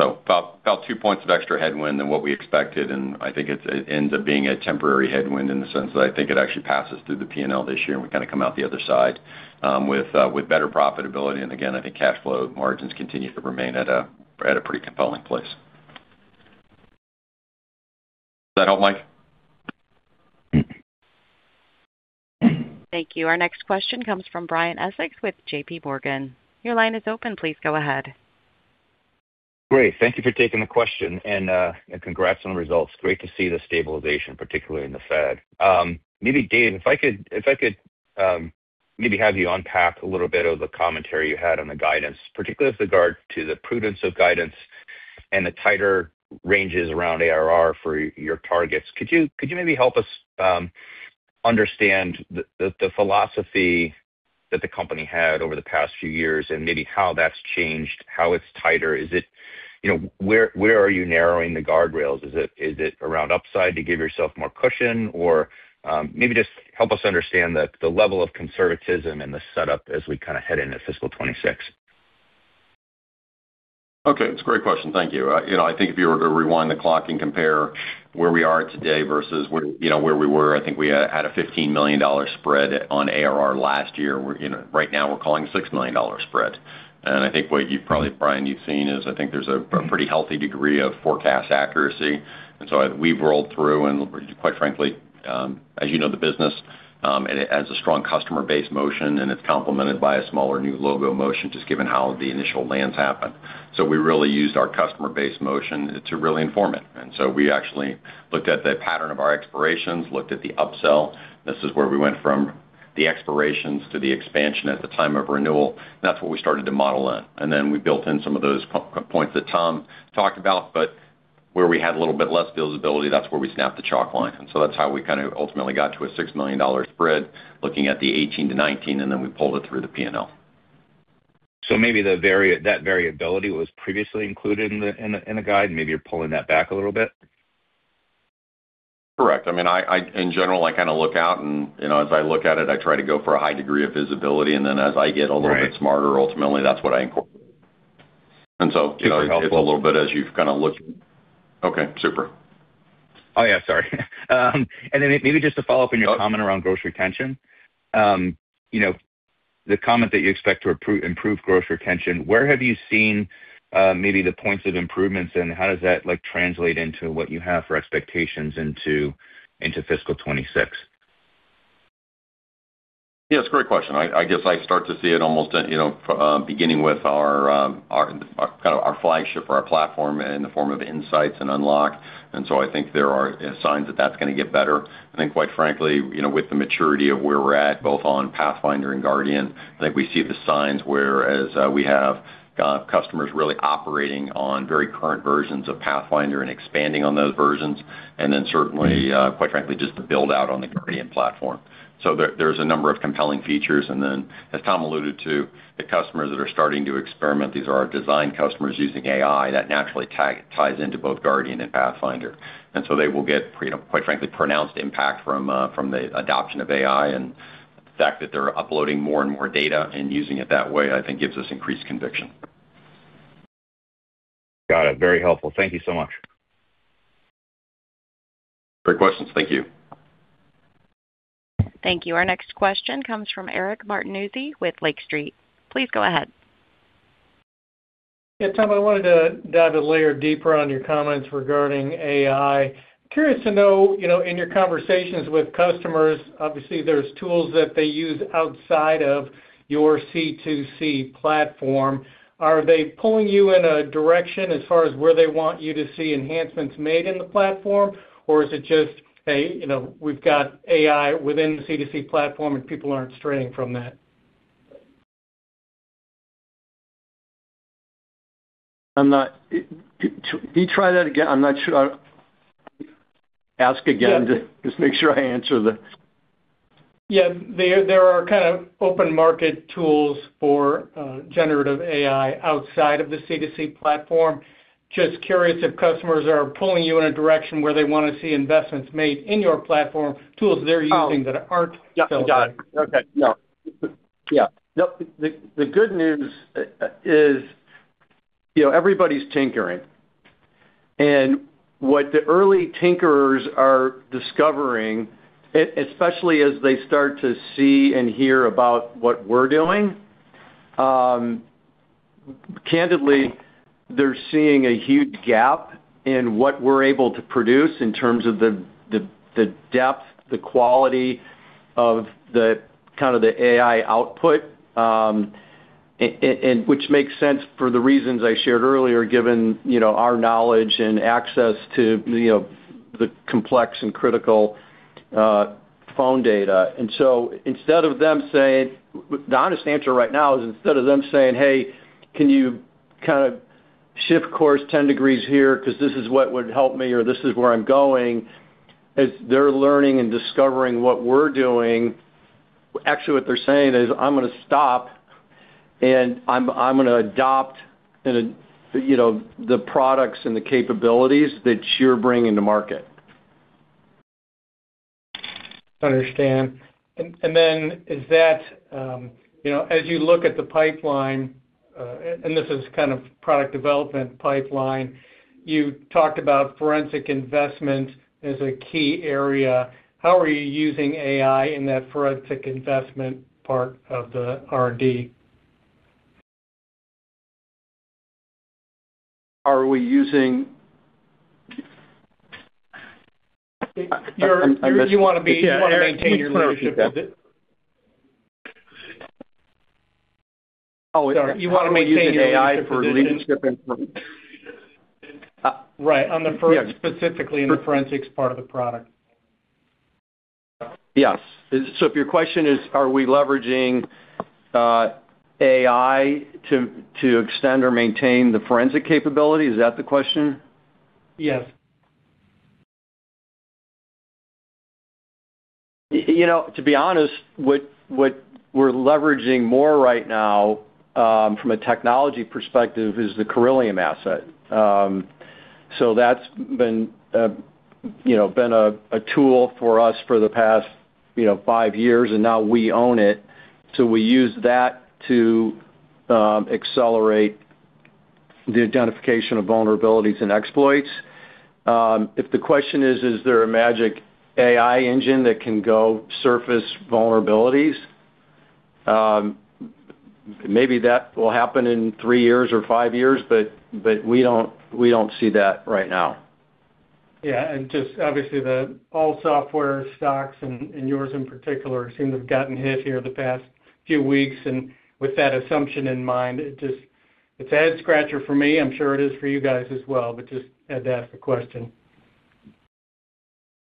So about two points of extra headwind than what we expected, and I think it ends up being a temporary headwind in the sense that I think it actually passes through the P&L this year, and we kind of come out the other side with better profitability. And again, I think cash flow margins continue to remain at a pretty compelling place. Does that help, Mike? Thank you. Our next question comes from Brian Essex with JPMorgan. Your line is open. Please go ahead. Great. Thank you for taking the question, and congrats on the results. Great to see the stabilization, particularly in the Fed. Maybe, Dave, if I could maybe have you unpack a little bit of the commentary you had on the guidance, particularly with regard to the prudence of guidance and the tighter ranges around ARR for your targets, could you maybe help us understand the philosophy that the company had over the past few years and maybe how that's changed, how it's tighter? Where are you narrowing the guardrails? Is it around upside to give yourself more cushion, or maybe just help us understand the level of conservatism and the setup as we kind of head into fiscal 2026? Okay. It's a great question. Thank you. I think if you were to rewind the clock and compare where we are today versus where we were, I think we had a $15 million spread on ARR last year. Right now, we're calling a $6 million spread. And I think what you've probably, Brian, you've seen is I think there's a pretty healthy degree of forecast accuracy. And so we've rolled through, and quite frankly, as you know, the business has a strong customer base motion, and it's complemented by a smaller new logo motion just given how the initial lands happened. So we really used our customer base motion to really inform it. And so we actually looked at the pattern of our expirations, looked at the upsell. This is where we went from the expirations to the expansion at the time of renewal. That's what we started to model in. Then we built in some of those points that Tom talked about, but where we had a little bit less feasibility, that's where we snapped the chalk line. So that's how we kind of ultimately got to a $6 million spread, looking at the 2018 to 2019, and then we pulled it through the P&L. Maybe that variability was previously included in the guide, and maybe you're pulling that back a little bit? Correct. I mean, in general, I kind of look out, and as I look at it, I try to go for a high degree of visibility. And then as I get a little bit smarter, ultimately, that's what I incorporate. And so it's a little bit as you've kind of looked at, okay. Super. Oh, yeah. Sorry. Then maybe just to follow up on your comment around gross retention, the comment that you expect to improve gross retention, where have you seen maybe the points of improvements, and how does that translate into what you have for expectations into fiscal 2026? Yeah. It's a great question. I guess I start to see it almost beginning with kind of our flagship or our platform in the form of Inseyets and unlock. And so I think there are signs that that's going to get better. And then, quite frankly, with the maturity of where we're at, both on Pathfinder and Guardian, I think we see the signs whereas we have customers really operating on very current versions of Pathfinder and expanding on those versions, and then certainly, quite frankly, just the build-out on the Guardian platform. So there's a number of compelling features. And then, as Tom alluded to, the customers that are starting to experiment, these are our design customers using AI that naturally ties into both Guardian and Pathfinder. And so they will get, quite frankly, pronounced impact from the adoption of AI. The fact that they're uploading more and more data and using it that way, I think, gives us increased conviction. Got it. Very helpful. Thank you so much. Great questions. Thank you. Thank you. Our next question comes from Eric Martinuzzi with Lake Street. Please go ahead. Yeah. Tom, I wanted to dive a layer deeper on your comments regarding AI. Curious to know, in your conversations with customers, obviously, there's tools that they use outside of your C2C platform. Are they pulling you in a direction as far as where they want you to see enhancements made in the platform, or is it just, "Hey, we've got AI within the C2C platform, and people aren't straying from that? Can you try that again? I'm not sure. Ask again to just make sure I answer the. Yeah. There are kind of open-market tools for generative AI outside of the C2C platform. Just curious if customers are pulling you in a direction where they want to see investments made in your platform, tools they're using that aren't selling. Yeah. Got it. Okay. No. Yeah. Nope. The good news is everybody's tinkering. And what the early tinkerers are discovering, especially as they start to see and hear about what we're doing, candidly, they're seeing a huge gap in what we're able to produce in terms of the depth, the quality of kind of the AI output, which makes sense for the reasons I shared earlier, given our knowledge and access to the complex and critical phone data. And so instead of them saying the honest answer right now is instead of them saying, "Hey, can you kind of shift course 10 degrees here because this is what would help me," or, "This is where I'm going," as they're learning and discovering what we're doing, actually, what they're saying is, "I'm going to stop, and I'm going to adopt the products and the capabilities that you're bringing to market. Understood. And then, is that as you look at the pipeline and this is kind of product development pipeline. You talked about forensics investment as a key area. How are you using AI in that forensics investment part of the R&D? Are we using? You want to maintain your leadership. Oh, wait. Sorry. You want to maintain your. Are we using AI for leadership? Right. Specifically in the forensics part of the product. Yes. So if your question is, "Are we leveraging AI to extend or maintain the forensic capability?" Is that the question? Yes. To be honest, what we're leveraging more right now from a technology perspective is the Corellium asset. So that's been a tool for us for the past five years, and now we own it. So we use that to accelerate the identification of vulnerabilities and exploits. If the question is, "Is there a magic AI engine that can go surface vulnerabilities?" maybe that will happen in three years or five years, but we don't see that right now. Yeah. Just obviously, all software stocks, and yours in particular, seem to have gotten hit here the past few weeks. With that assumption in mind, it's a head-scratcher for me. I'm sure it is for you guys as well, but just had to ask the question.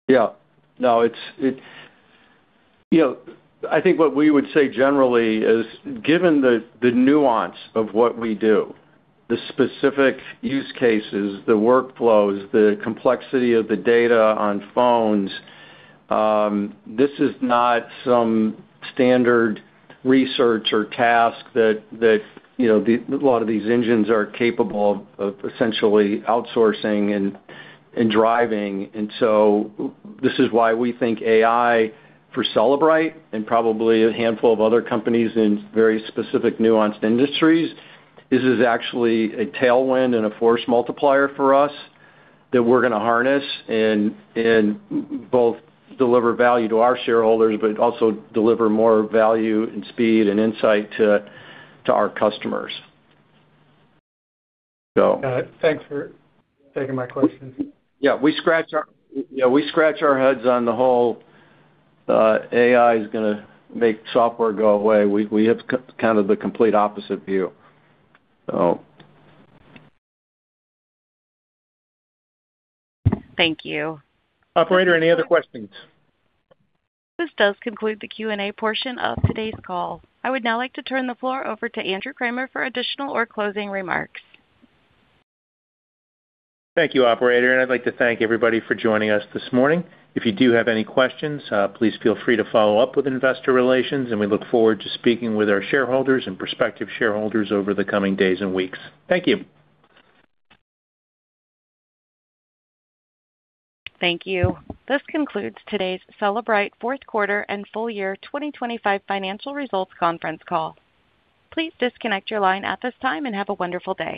Yeah. No. I think what we would say generally is, given the nuance of what we do, the specific use cases, the workflows, the complexity of the data on phones, this is not some standard research or task that a lot of these engines are capable of essentially outsourcing and driving. And so this is why we think AI for Cellebrite and probably a handful of other companies in very specific nuanced industries is actually a tailwind and a force multiplier for us that we're going to harness and both deliver value to our shareholders but also deliver more value and speed and insight to our customers. Got it. Thanks for taking my question. Yeah. We scratch our heads on the whole AI is going to make software go away. We have kind of the complete opposite view, so. Thank you. Operator, any other questions? This does conclude the Q&A portion of today's call. I would now like to turn the floor over to Andrew Kramer for additional or closing remarks. Thank you, Operator. I'd like to thank everybody for joining us this morning. If you do have any questions, please feel free to follow up with investor relations, and we look forward to speaking with our shareholders and prospective shareholders over the coming days and weeks. Thank you. Thank you. This concludes today's Cellebrite fourth-quarter and full-year 2025 financial results conference call. Please disconnect your line at this time and have a wonderful day.